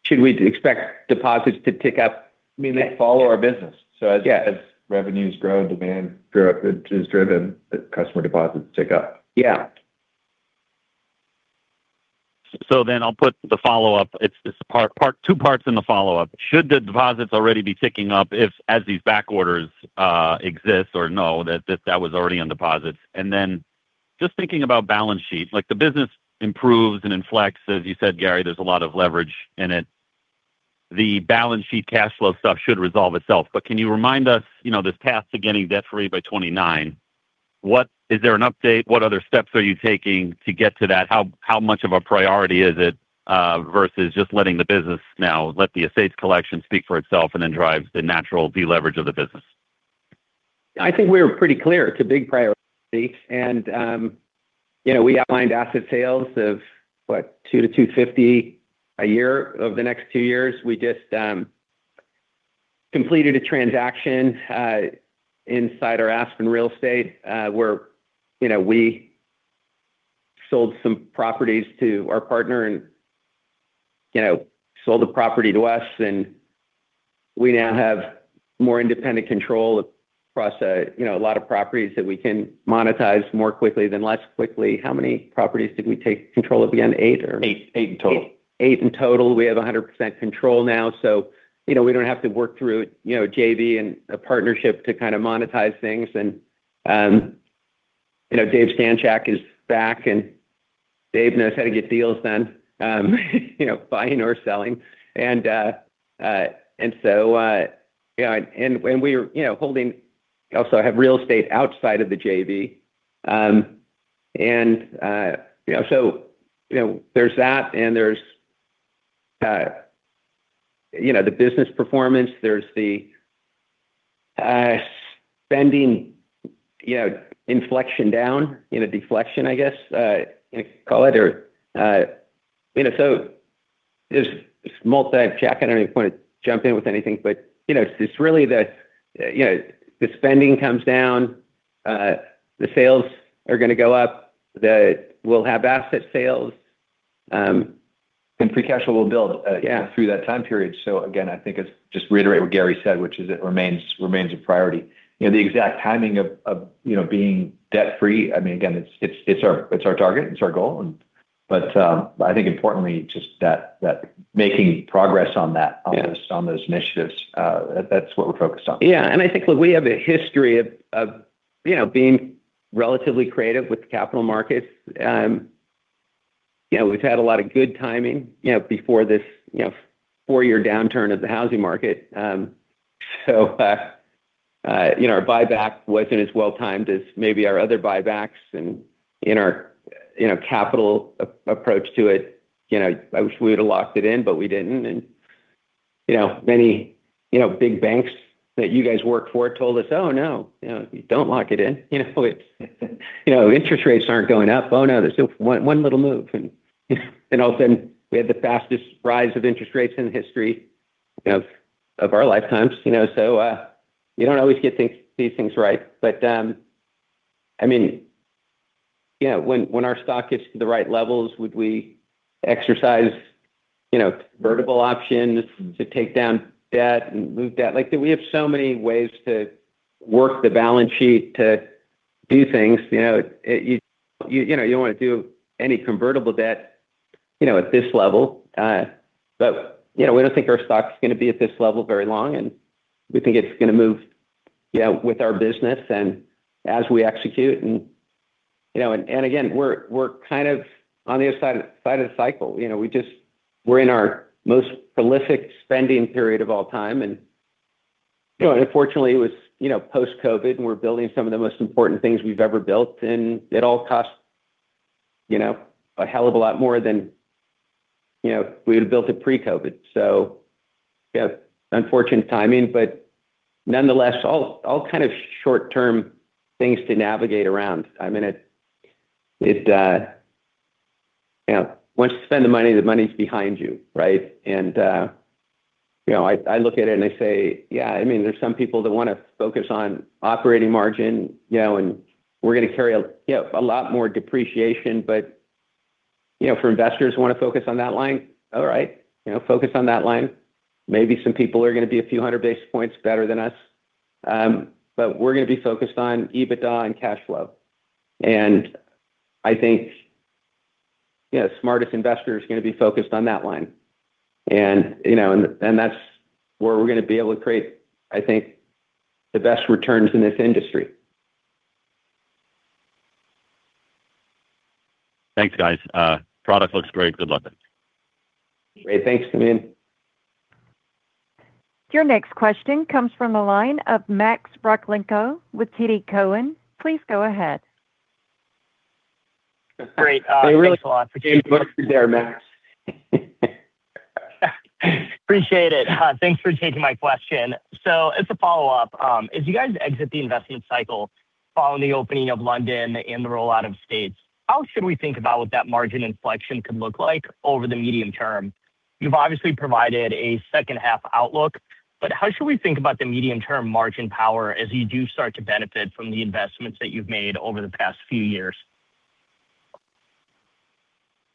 Should we expect deposits to tick up- I mean, they follow our business. Yes. As revenues grow, demand is driven, the customer deposits tick up. Yeah. I'll put the follow-up. It's two parts in the follow-up. Should the deposits already be ticking up as these back orders exist, or no, that was already on deposits? Just thinking about balance sheet, like the business improves and inflects. As you said, Gary, there's a lot of leverage in it. The balance sheet cash flow stuff should resolve itself. Can you remind us, this path to getting debt-free by 2029, is there an update? What other steps are you taking to get to that? How much of a priority is it versus just letting the business now let the RH Estates collection speak for itself and then drive the natural deleverage of the business? I think we're pretty clear. It's a big priority. We outlined asset sales of what, $200 million-$250 million a year of the next two years. We just completed a transaction inside our Aspen real estate, where we sold some properties to our partner and sold the property to us, and we now have more independent control across a lot of properties that we can monetize more quickly than less quickly. How many properties did we take control of again? Eight or- Eight in total. Eight in total. We have 100% control now, we don't have to work through JV and a partnership to monetize things. David Stanchak is back, and Dave knows how to get deals done buying or selling. We also have real estate outside of the JV. There's that and there's the business performance, there's the spending inflection down, deflection, I guess you could call it. This is multi, Jack, I don't even want to jump in with anything, but it's really the spending comes down, the sales are going to go up, we'll have asset sales. Free cash flow will build- Yeah through that time period. Again, I think it's just reiterate what Gary said, which is it remains a priority. The exact timing of being debt-free, again, it's our target, it's our goal. I think importantly, just that making progress on those initiatives, that's what we're focused on. Yeah. I think, look, we have a history of being relatively creative with capital markets. We've had a lot of good timing before this four-year downturn of the housing market. Our buyback wasn't as well-timed as maybe our other buybacks and in our capital approach to it, I wish we would've locked it in, but we didn't. Many big banks that you guys work for told us, "Oh, no, don't lock it in. Interest rates aren't going up. Oh, no, there's still one little move." Then all of a sudden, we had the fastest rise of interest rates in the history of our lifetimes. You don't always get these things right. I mean, when our stock gets to the right levels, would we exercise convertible options to take down debt and move debt? We have so many ways to work the balance sheet to do things. You don't want to do any convertible debt at this level. We don't think our stock's going to be at this level very long, and we think it's going to move with our business and as we execute. Again, we're on the other side of the cycle. We're in our most prolific spending period of all time, and unfortunately, it was post-COVID, and we're building some of the most important things we've ever built, and it all costs a hell of a lot more than we would've built it pre-COVID. Unfortunate timing, but nonetheless, all short-term things to navigate around. I mean, once you spend the money, the money's behind you, right? I look at it and I say, there's some people that want to focus on operating margin, and we're going to carry a lot more depreciation. For investors who want to focus on that line, all right, focus on that line. Maybe some people are going to be a few hundred basis points better than us. We're going to be focused on EBITDA and cash flow. I think the smartest investor is going to be focused on that line. That's where we're going to be able to create, I think, the best returns in this industry. Thanks, guys. Product looks great. Good luck. Great, thanks, Simeon. Your next question comes from the line of Max Rakhlenko with TD Cowen. Please go ahead. Great. Thanks a lot for- You're welcome there, Max. Appreciate it. Thanks for taking my question. It's a follow-up. As you guys exit the investment cycle following the opening of London and the rollout of Estates, how should we think about what that margin inflection could look like over the medium term? You've obviously provided a second half outlook, how should we think about the medium-term margin power as you do start to benefit from the investments that you've made over the past few years?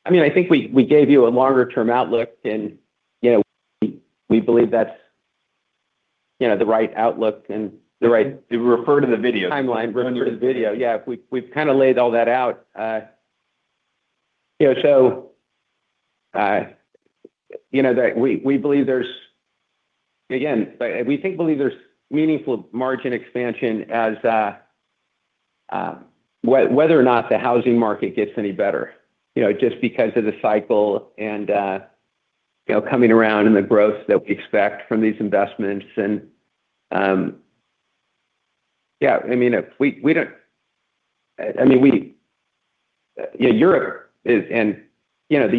I think we gave you a longer-term outlook, we believe that's the right outlook and the right- Refer to the video timeline. Refer to the video, yeah. We've laid all that out. Again, we believe there's meaningful margin expansion, whether or not the housing market gets any better, just because of the cycle and coming around and the growth that we expect from these investments. The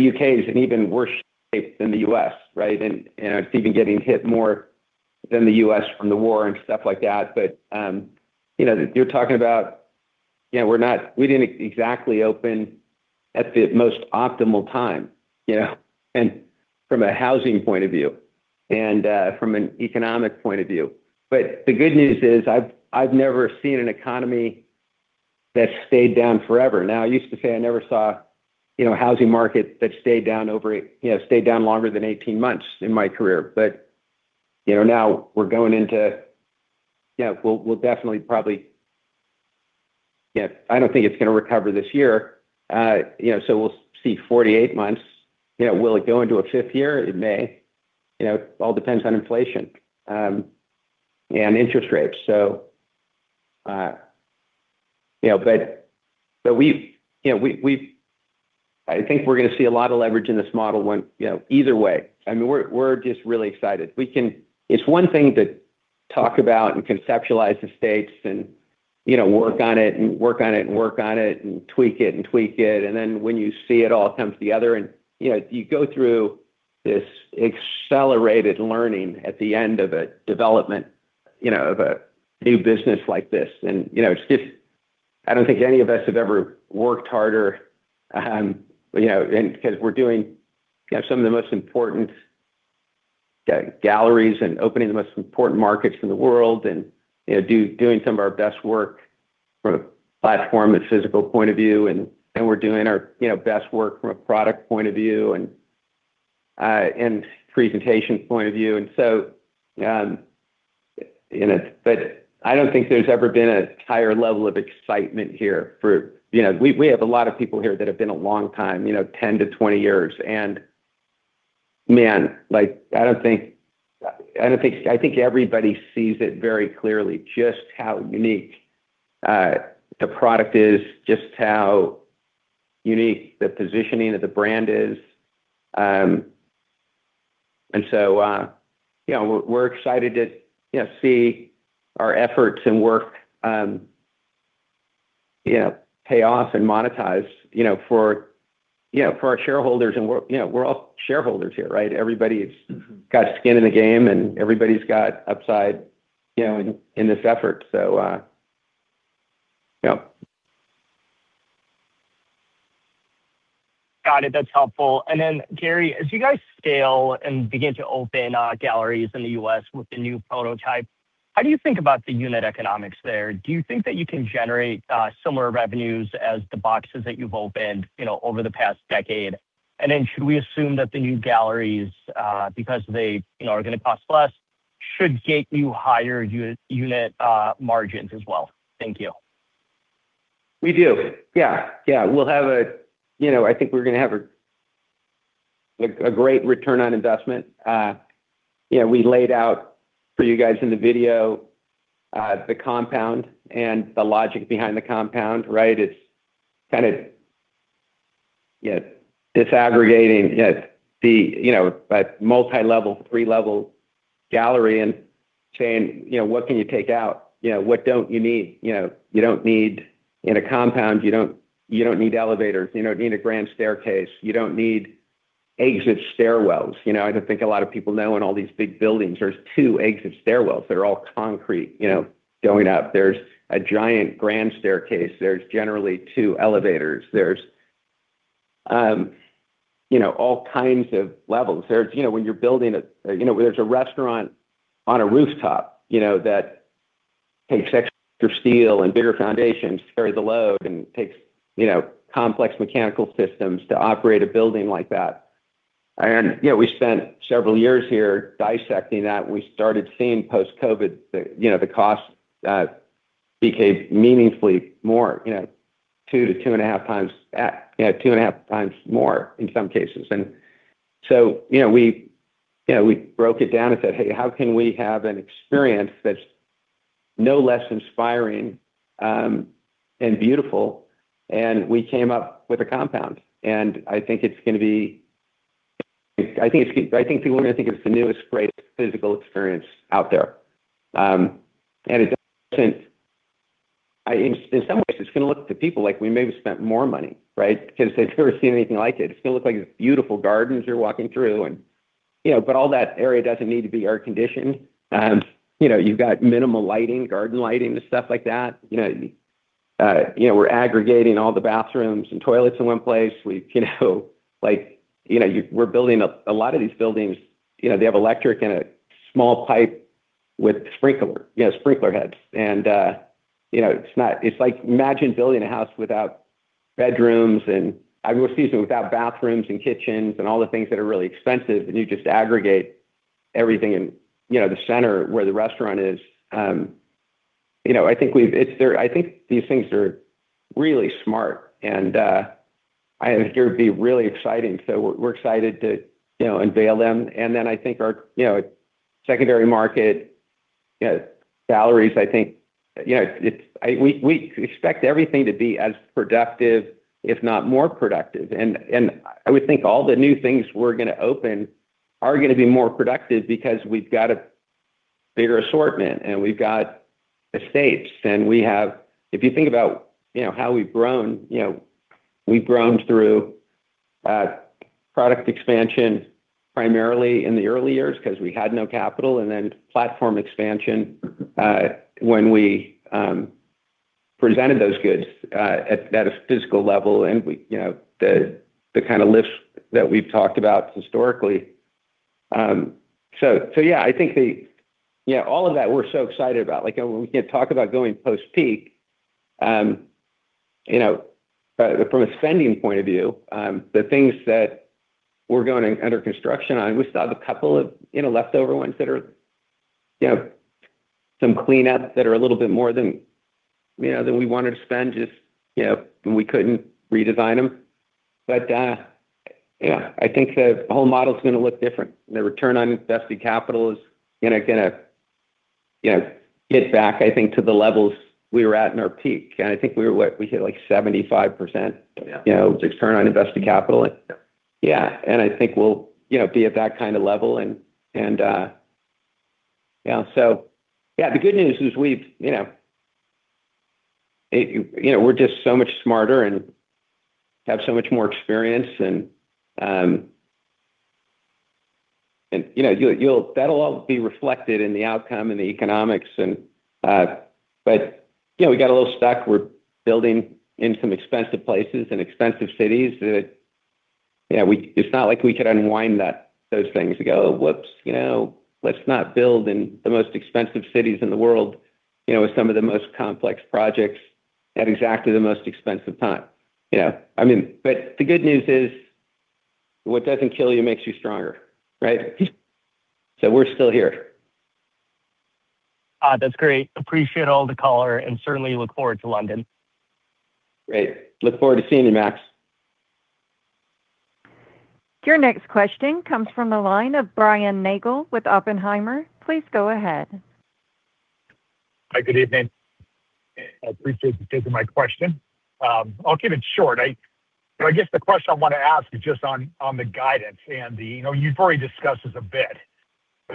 U.K. is an even worse shape than the U.S., right? It's even getting hit more than the U.S. from the war and stuff like that. You're talking about, we didn't exactly open at the most optimal time, from a housing point of view and from an economic point of view. The good news is, I've never seen an economy that stayed down forever. Now, I used to say I never saw a housing market that stayed down longer than 18 months in my career. Now, I don't think it's going to recover this year. We'll see 48 months. Will it go into a fifth year? It may. It all depends on inflation and interest rates. I think we're going to see a lot of leverage in this model either way. We're just really excited. It's one thing to talk about and conceptualize RH Estates and work on it, and work on it, and work on it, and tweak it, and tweak it, then when you see it all come together and you go through this accelerated learning at the end of a development of a new business like this. I don't think any of us have ever worked harder, because we're doing some of the most important galleries and opening the most important markets in the world and doing some of our best work from a platform and physical point of view, we're doing our best work from a product point of view and presentation point of view. I don't think there's ever been a higher level of excitement here. We have a lot of people here that have been a long time, 10-20 years, man, I think everybody sees it very clearly just how unique the product is, just how unique the positioning of the brand is. We're excited to see our efforts and work pay off and monetize for our shareholders. We're all shareholders here, right? Everybody's got skin in the game, everybody's got upside in this effort. Yep. Got it. That's helpful. Gary, as you guys scale and begin to open galleries in the U.S. with the new prototype, how do you think about the unit economics there? Do you think that you can generate similar revenues as the boxes that you've opened over the past decade? Should we assume that the new galleries, because they are going to cost less, should get you higher unit margins as well? Thank you. We do. I think we're going to have a great return on investment. We laid out for you guys in the video, the compound and the logic behind the compound, right? It's kind of disaggregating the multi-level, three-level gallery and saying, "What can you take out? What don't you need?" You don't need, in a compound, you don't need elevators. You don't need a grand staircase. You don't need exit stairwells. I don't think a lot of people know in all these big buildings, there's two exit stairwells that are all concrete, going up. There's a giant grand staircase. There's generally two elevators. There's all kinds of levels. There's a restaurant on a rooftop, that takes extra steel and bigger foundations to carry the load and takes complex mechanical systems to operate a building like that. We spent several years here dissecting that. We started seeing post-COVID, the cost became meaningfully more, two to two and a half times more in some cases. We broke it down and said, "Hey, how can we have an experience that's no less inspiring, and beautiful?" We came up with a compound. I think people are going to think it's the newest, greatest physical experience out there. In some ways, it's going to look to people like we maybe spent more money, right? Because they've never seen anything like it. It's going to look like these beautiful gardens you're walking through, but all that area doesn't need to be air-conditioned. You've got minimal lighting, garden lighting and stuff like that. We're aggregating all the bathrooms and toilets in one place. A lot of these buildings, they have electric and a small pipe with sprinkler heads. It's like imagine building a house without bedrooms and without bathrooms and kitchens and all the things that are really expensive, and you just aggregate everything in the center where the restaurant is. I think these things are really smart, and I think it would be really exciting. We're excited to unveil them. I think our secondary market galleries, we expect everything to be as productive, if not more productive. I would think all the new things we're going to open are going to be more productive because we've got a bigger assortment and we've got estates. If you think about how we've grown, we've grown through product expansion primarily in the early years because we had no capital, and then platform expansion, when we presented those goods at a physical level and the kind of lifts that we've talked about historically. Yeah, I think all of that we're so excited about. When we talk about going post-peak, from a spending point of view, the things that we're going under construction on, we still have a couple of leftover ones that are some cleanups that are a little bit more than we wanted to spend, just we couldn't redesign them. I think the whole model's going to look different, and the return on invested capital is going to get back, I think, to the levels we were at in our peak. I think we were, what? We hit like 75% return on invested capital. Yeah. I think we'll be at that kind of level. The good news is we're just so much smarter and have so much more experience and that'll all be reflected in the outcome and the economics. We got a little stuck. We're building in some expensive places and expensive cities that it's not like we could unwind those things and go, "Whoops. Let's not build in the most expensive cities in the world, with some of the most complex projects at exactly the most expensive time." The good news is, what doesn't kill you makes you stronger, right? We're still here. That's great. Appreciate all the color and certainly look forward to London. Great. Look forward to seeing you, Max. Your next question comes from the line of Brian Nagel with Oppenheimer. Please go ahead. Hi, good evening. I appreciate you taking my question. I'll keep it short. I guess the question I want to ask is just on the guidance and you've already discussed this a bit,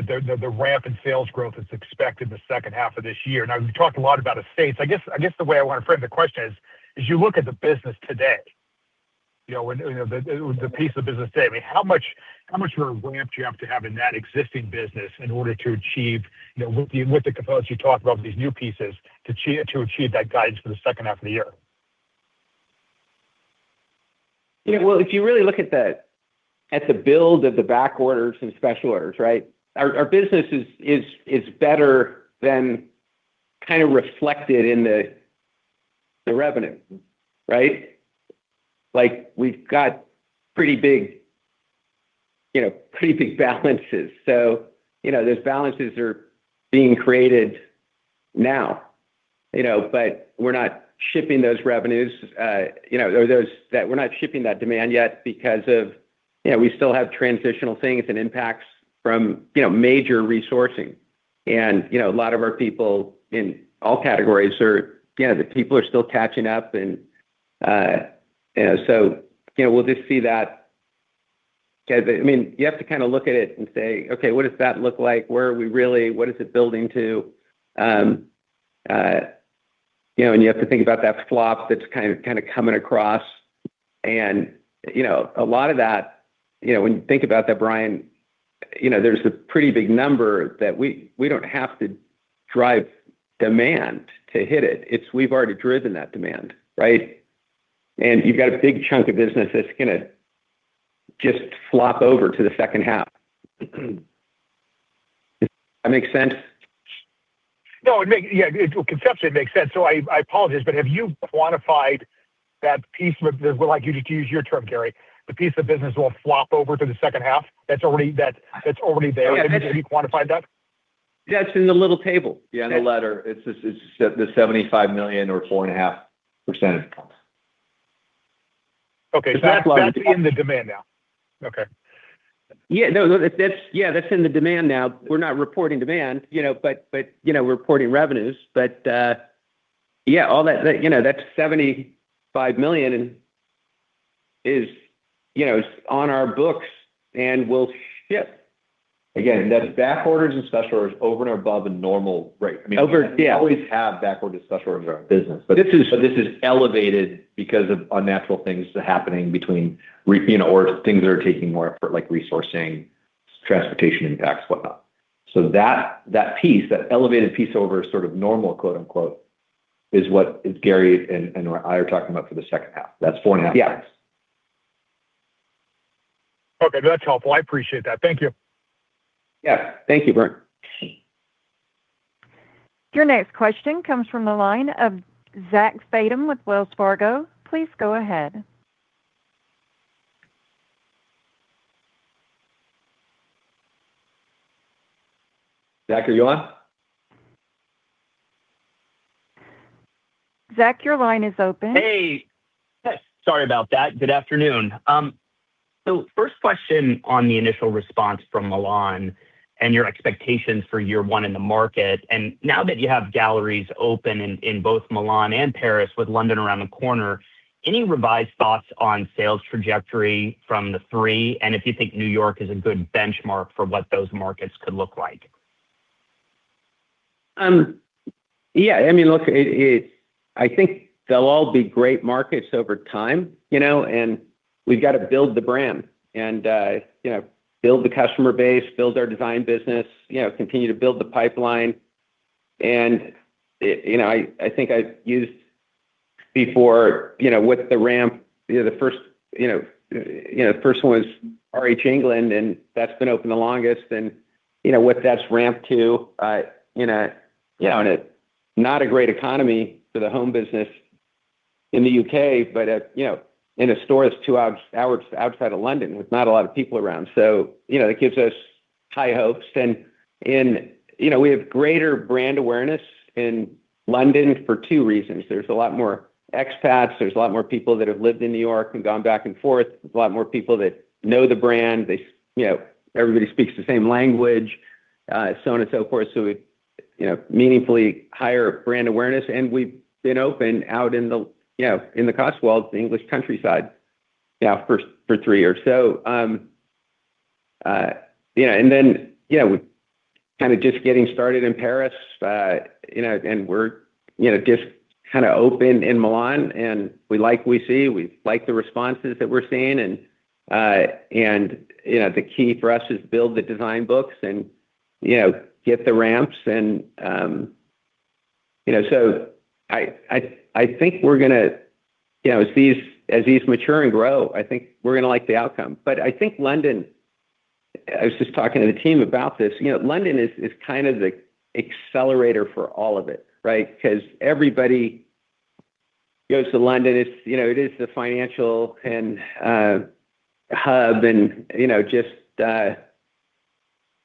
but the ramp in sales growth that's expected the second half of this year. Now you've talked a lot about Estates. I guess the way I want to frame the question is, as you look at the business today, the piece of business today, how much of a ramp do you have to have in that existing business in order to achieve, with the capacity to talk about these new pieces, to achieve that guidance for the second half of the year? Well, if you really look at the build of the back orders and special orders, our business is better than reflected in the revenue. We've got pretty big balances. Those balances are being created now, but we're not shipping those revenues, we're not shipping that demand yet because we still have transitional things and impacts from major resourcing. A lot of our people in all categories, the people are still catching up, and so we'll just see that. You have to look at it and say, "Okay, what does that look like? Where are we really? What is it building to?" You have to think about that flop that's kind of coming across, and a lot of that, when you think about that, Brian, there's a pretty big number that we don't have to drive demand to hit it. We've already driven that demand. You've got a big chunk of business that's going to just flop over to the second half. Does that make sense? No, conceptually, it makes sense. I apologize, but have you quantified that piece of, we'll use your term, Gary, the piece of business that will flop over to the second half that's already there? Yeah. Have you quantified that? That's in the little table. Yeah, in the letter. It's the $75 million or 4.5%. Okay. The backlog. That's in the demand now. Okay. Yeah. That's in the demand now. We're not reporting demand, we're reporting revenues. Yeah, that $75 million is on our books and will ship. Again, that is back orders and special orders over and above the normal rate. Over, yeah. We always have back orders, special orders in our business. This is- This is elevated because of unnatural things happening between or things that are taking more effort, like resourcing, transportation impacts, whatnot. That piece, that elevated piece over sort of normal, quote unquote, is what Gary and I are talking about for the second half. That's 4.5%. Yeah. Okay. That's helpful. I appreciate that. Thank you. Yeah. Thank you, Brian. Your next question comes from the line of Zach Fadem with Wells Fargo. Please go ahead. Zach, are you on? Zach, your line is open. Hey. Sorry about that. Good afternoon. First question on the initial response from Milan and your expectations for year one in the market, now that you have galleries open in both Milan and Paris with London around the corner, any revised thoughts on sales trajectory from the three? If you think New York is a good benchmark for what those markets could look like. Yeah. Look, I think they'll all be great markets over time, we've got to build the brand and build the customer base, build our design business, continue to build the pipeline, I think I've used before with the ramp, the first one was RH England, that's been open the longest and what that's ramped to in a not a great economy for the home business in the U.K., but in a store that's two hours outside of London with not a lot of people around. It gives us high hopes, and we have greater brand awareness in London for two reasons. There's a lot more expats, there's a lot more people that have lived in New York and gone back and forth. There's a lot more people that know the brand. Everybody speaks the same language, so on and so forth. We've meaningfully higher brand awareness, and we've been open out in the Cotswolds, the English countryside now for three years. We're kind of just getting started in Paris, we're just open in Milan, we like what we see. We like the responses that we're seeing, the key for us is build the design books and get the ramps. I think as these mature and grow, I think we're going to like the outcome. London, I was just talking to the team about this, London is the accelerator for all of it. Because everybody goes to London. It is the financial hub,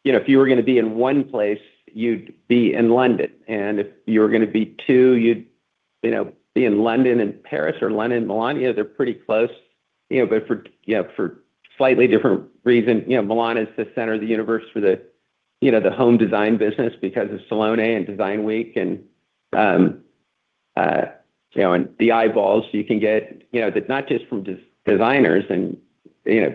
if you were going to be in one place, you'd be in London, if you were going to be two, you'd be in London and Paris or London and Milan. They're pretty close, for slightly different reasons. Milan is the center of the universe for the home design business because of Salone and Design Week, the eyeballs you can get, that not just from designers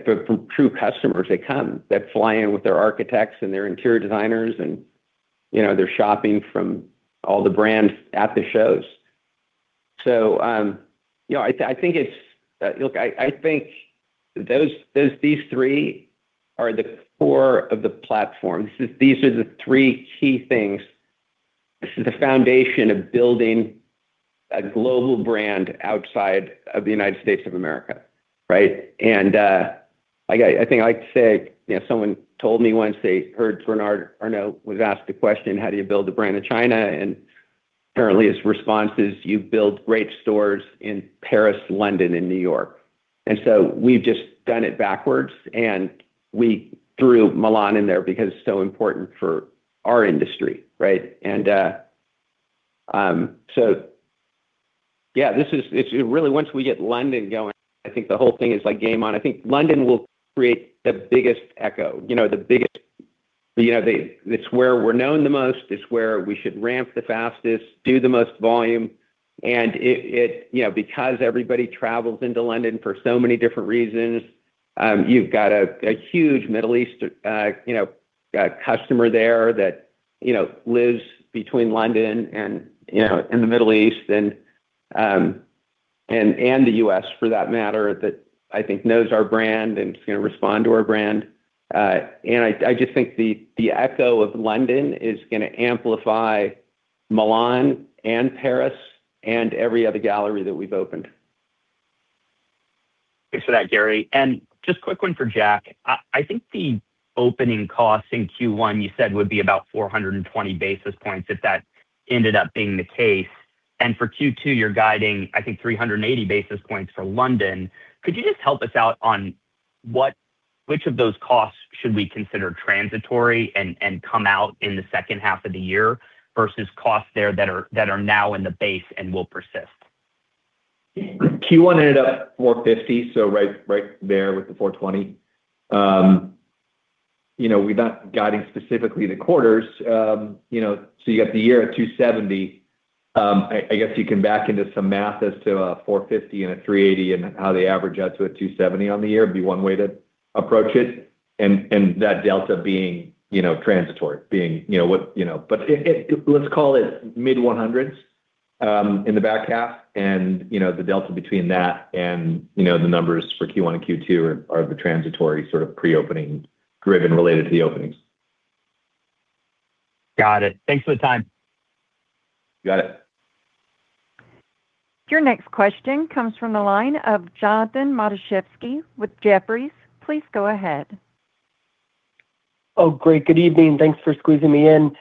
but from true customers. They come. They fly in with their architects and their interior designers, they're shopping from all the brands at the shows. I think these three are the core of the platform. These are the three key things. This is the foundation of building a global brand outside of the United States of America, right? I think I'd say, someone told me once they heard Bernard Arnault was asked a question, "How do you build a brand in China?" Apparently, his response is, "You build great stores in Paris, London, and New York." We've just done it backwards, and we threw Milan in there because it's so important for our industry, right? Yeah, really once we get London going, I think the whole thing is game on. I think London will create the biggest echo. It's where we're known the most. It's where we should ramp the fastest, do the most volume, and because everybody travels into London for so many different reasons, you've got a huge Middle Eastern customer there that lives between London and the Middle East, and the U.S. for that matter, that I think knows our brand and is going to respond to our brand. I just think the echo of London is going to amplify Milan and Paris and every other gallery that we've opened. Thanks for that, Gary. Just quick one for Jack. I think the opening costs in Q1 you said would be about 420 basis points if that ended up being the case, for Q2, you're guiding, I think, 380 basis points for London. Could you just help us out on which of those costs should we consider transitory and come out in the second half of the year versus costs there that are now in the base and will persist? Q1 ended up 450 basis points, so right there with the 420 basis points. We're not guiding specifically the quarters. You got the year at 270 basis points. I guess you can back into some math as to a 450 basis points and a 380 basis points and how they average out to a 270 basis points on the year would be one way to approach it, and that delta being transitory. Let's call it mid-100s in the back half, and the delta between that and the numbers for Q1 and Q2 are the transitory sort of pre-opening driven related to the openings. Got it. Thanks for the time. Got it. Your next question comes from the line of Jonathan Matuszewski with Jefferies. Please go ahead. Oh, great. Good evening. Thanks for squeezing me in.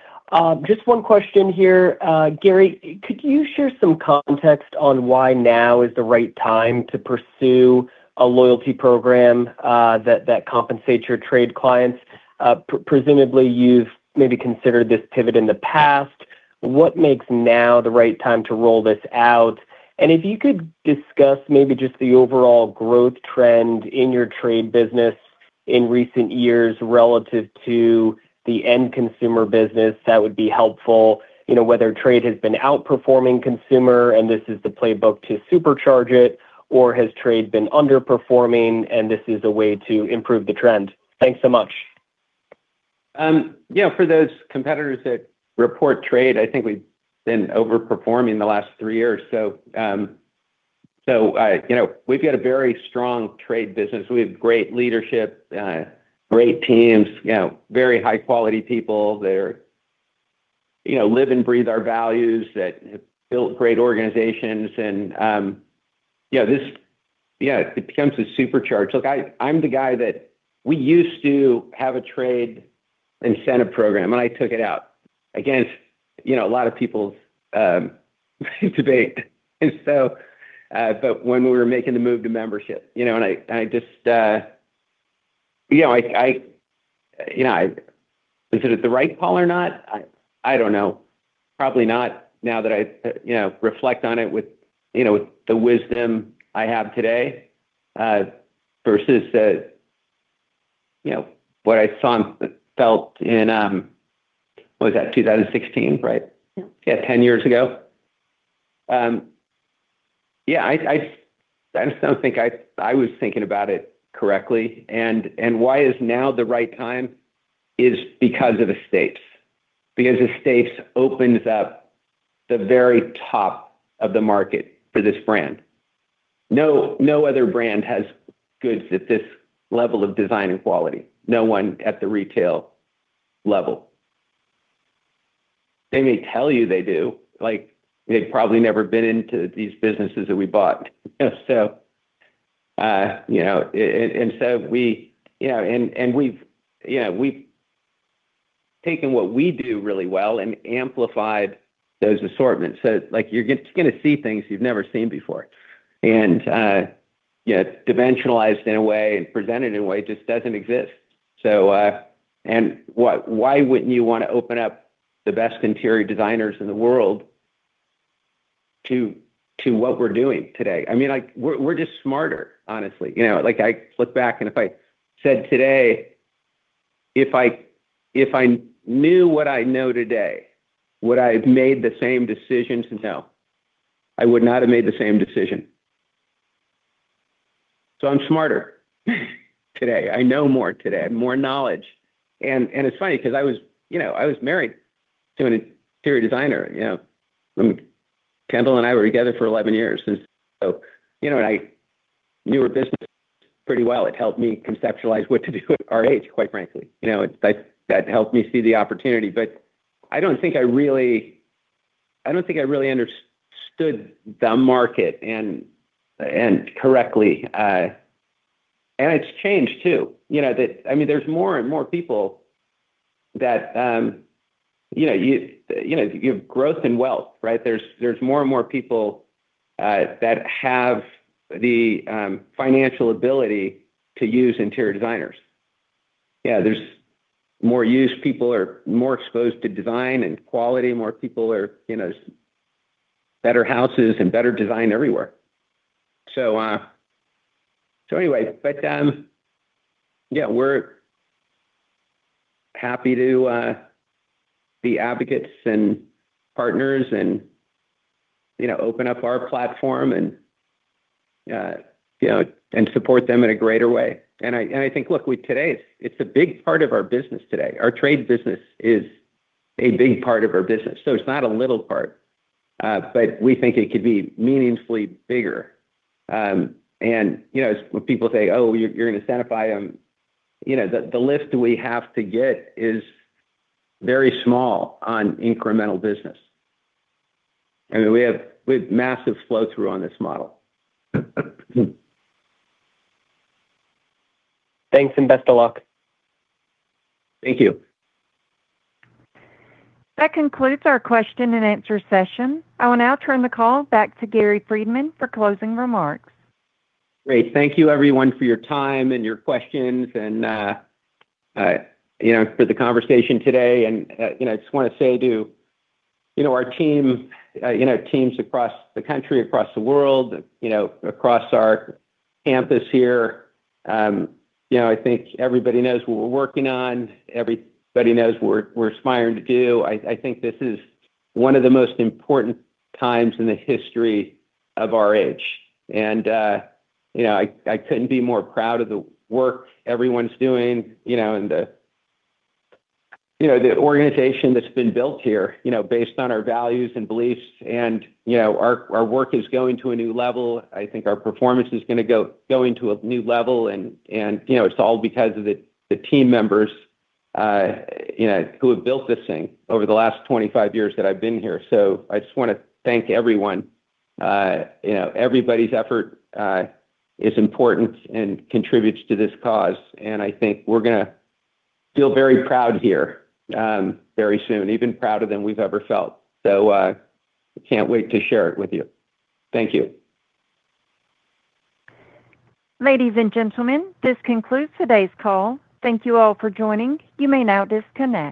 Just one question here. Gary, could you share some context on why now is the right time to pursue a loyalty program that compensates your trade clients? Presumably, you've maybe considered this pivot in the past. What makes now the right time to roll this out? If you could discuss maybe just the overall growth trend in your trade business in recent years relative to the end consumer business, that would be helpful. Whether trade has been outperforming consumer and this is the playbook to supercharge it, or has trade been underperforming, and this is a way to improve the trend. Thanks so much. For those competitors that report trade, I think we've been over-performing the last three years. We've got a very strong trade business. We have great leadership, great teams, very high-quality people. They live and breathe our values, that have built great organizations. Yeah, it becomes a supercharge. Look, I'm the guy that we used to have a trade incentive program. I took it out. Again, it's a lot of people's debate, but when we were making the move to membership. Was it the right call or not? I don't know. Probably not now that I reflect on it with the wisdom I have today, versus what I saw and felt in, what was that, 2016, right? Yeah. Yeah, 10 years ago. Yeah, I just don't think I was thinking about it correctly. Why is now the right time is because of estates. Estates opens up the very top of the market for this brand. No other brand has goods at this level of design and quality. No one at the retail level. They may tell you they do, they've probably never been into these businesses that we bought. We've taken what we do really well and amplified those assortments. You're going to see things you've never seen before, and dimensionalized in a way and presented in a way just doesn't exist. Why wouldn't you want to open up the best interior designers in the world to what we're doing today? We're just smarter, honestly. I look back, if I said today, "If I knew what I know today, would I have made the same decisions?" No. I would not have made the same decision. I'm smarter today. I know more today. I have more knowledge. It's funny because I was married to an interior designer. Kendall and I were together for 11 years. I knew her business pretty well. It helped me conceptualize what to do with RH, quite frankly. That helped me see the opportunity. I don't think I really understood the market and correctly. It's changed too. There's more and more people that You have growth and wealth, right? There's more and more people that have the financial ability to use interior designers. Yeah, there's more use. People are more exposed to design and quality. Better houses and better design everywhere. Yeah, we're happy to be advocates and partners and open up our platform and support them in a greater way. I think, look, today, it's a big part of our business today. Our trade business is a big part of our business. It's not a little part. We think it could be meaningfully bigger. When people say, "Oh, you're going to sanctify them," the lift we have to get is very small on incremental business. I mean, we have massive flow-through on this model. Thanks, and best of luck. Thank you. That concludes our question and answer session. I will now turn the call back to Gary Friedman for closing remarks. Great. Thank you, everyone, for your time and your questions and for the conversation today. I just want to say to our teams across the country, across the world, across our campus here, I think everybody knows what we're working on. Everybody knows what we're aspiring to do. I think this is one of the most important times in the history of RH. I couldn't be more proud of the work everyone's doing and the organization that's been built here based on our values and beliefs. Our work is going to a new level. I think our performance is going to go into a new level, and it's all because of the team members who have built this thing over the last 25 years that I've been here. I just want to thank everyone. Everybody's effort is important and contributes to this cause. I think we're going to feel very proud here very soon, even prouder than we've ever felt. Can't wait to share it with you. Thank you. Ladies and gentlemen, this concludes today's call. Thank you all for joining. You may now disconnect.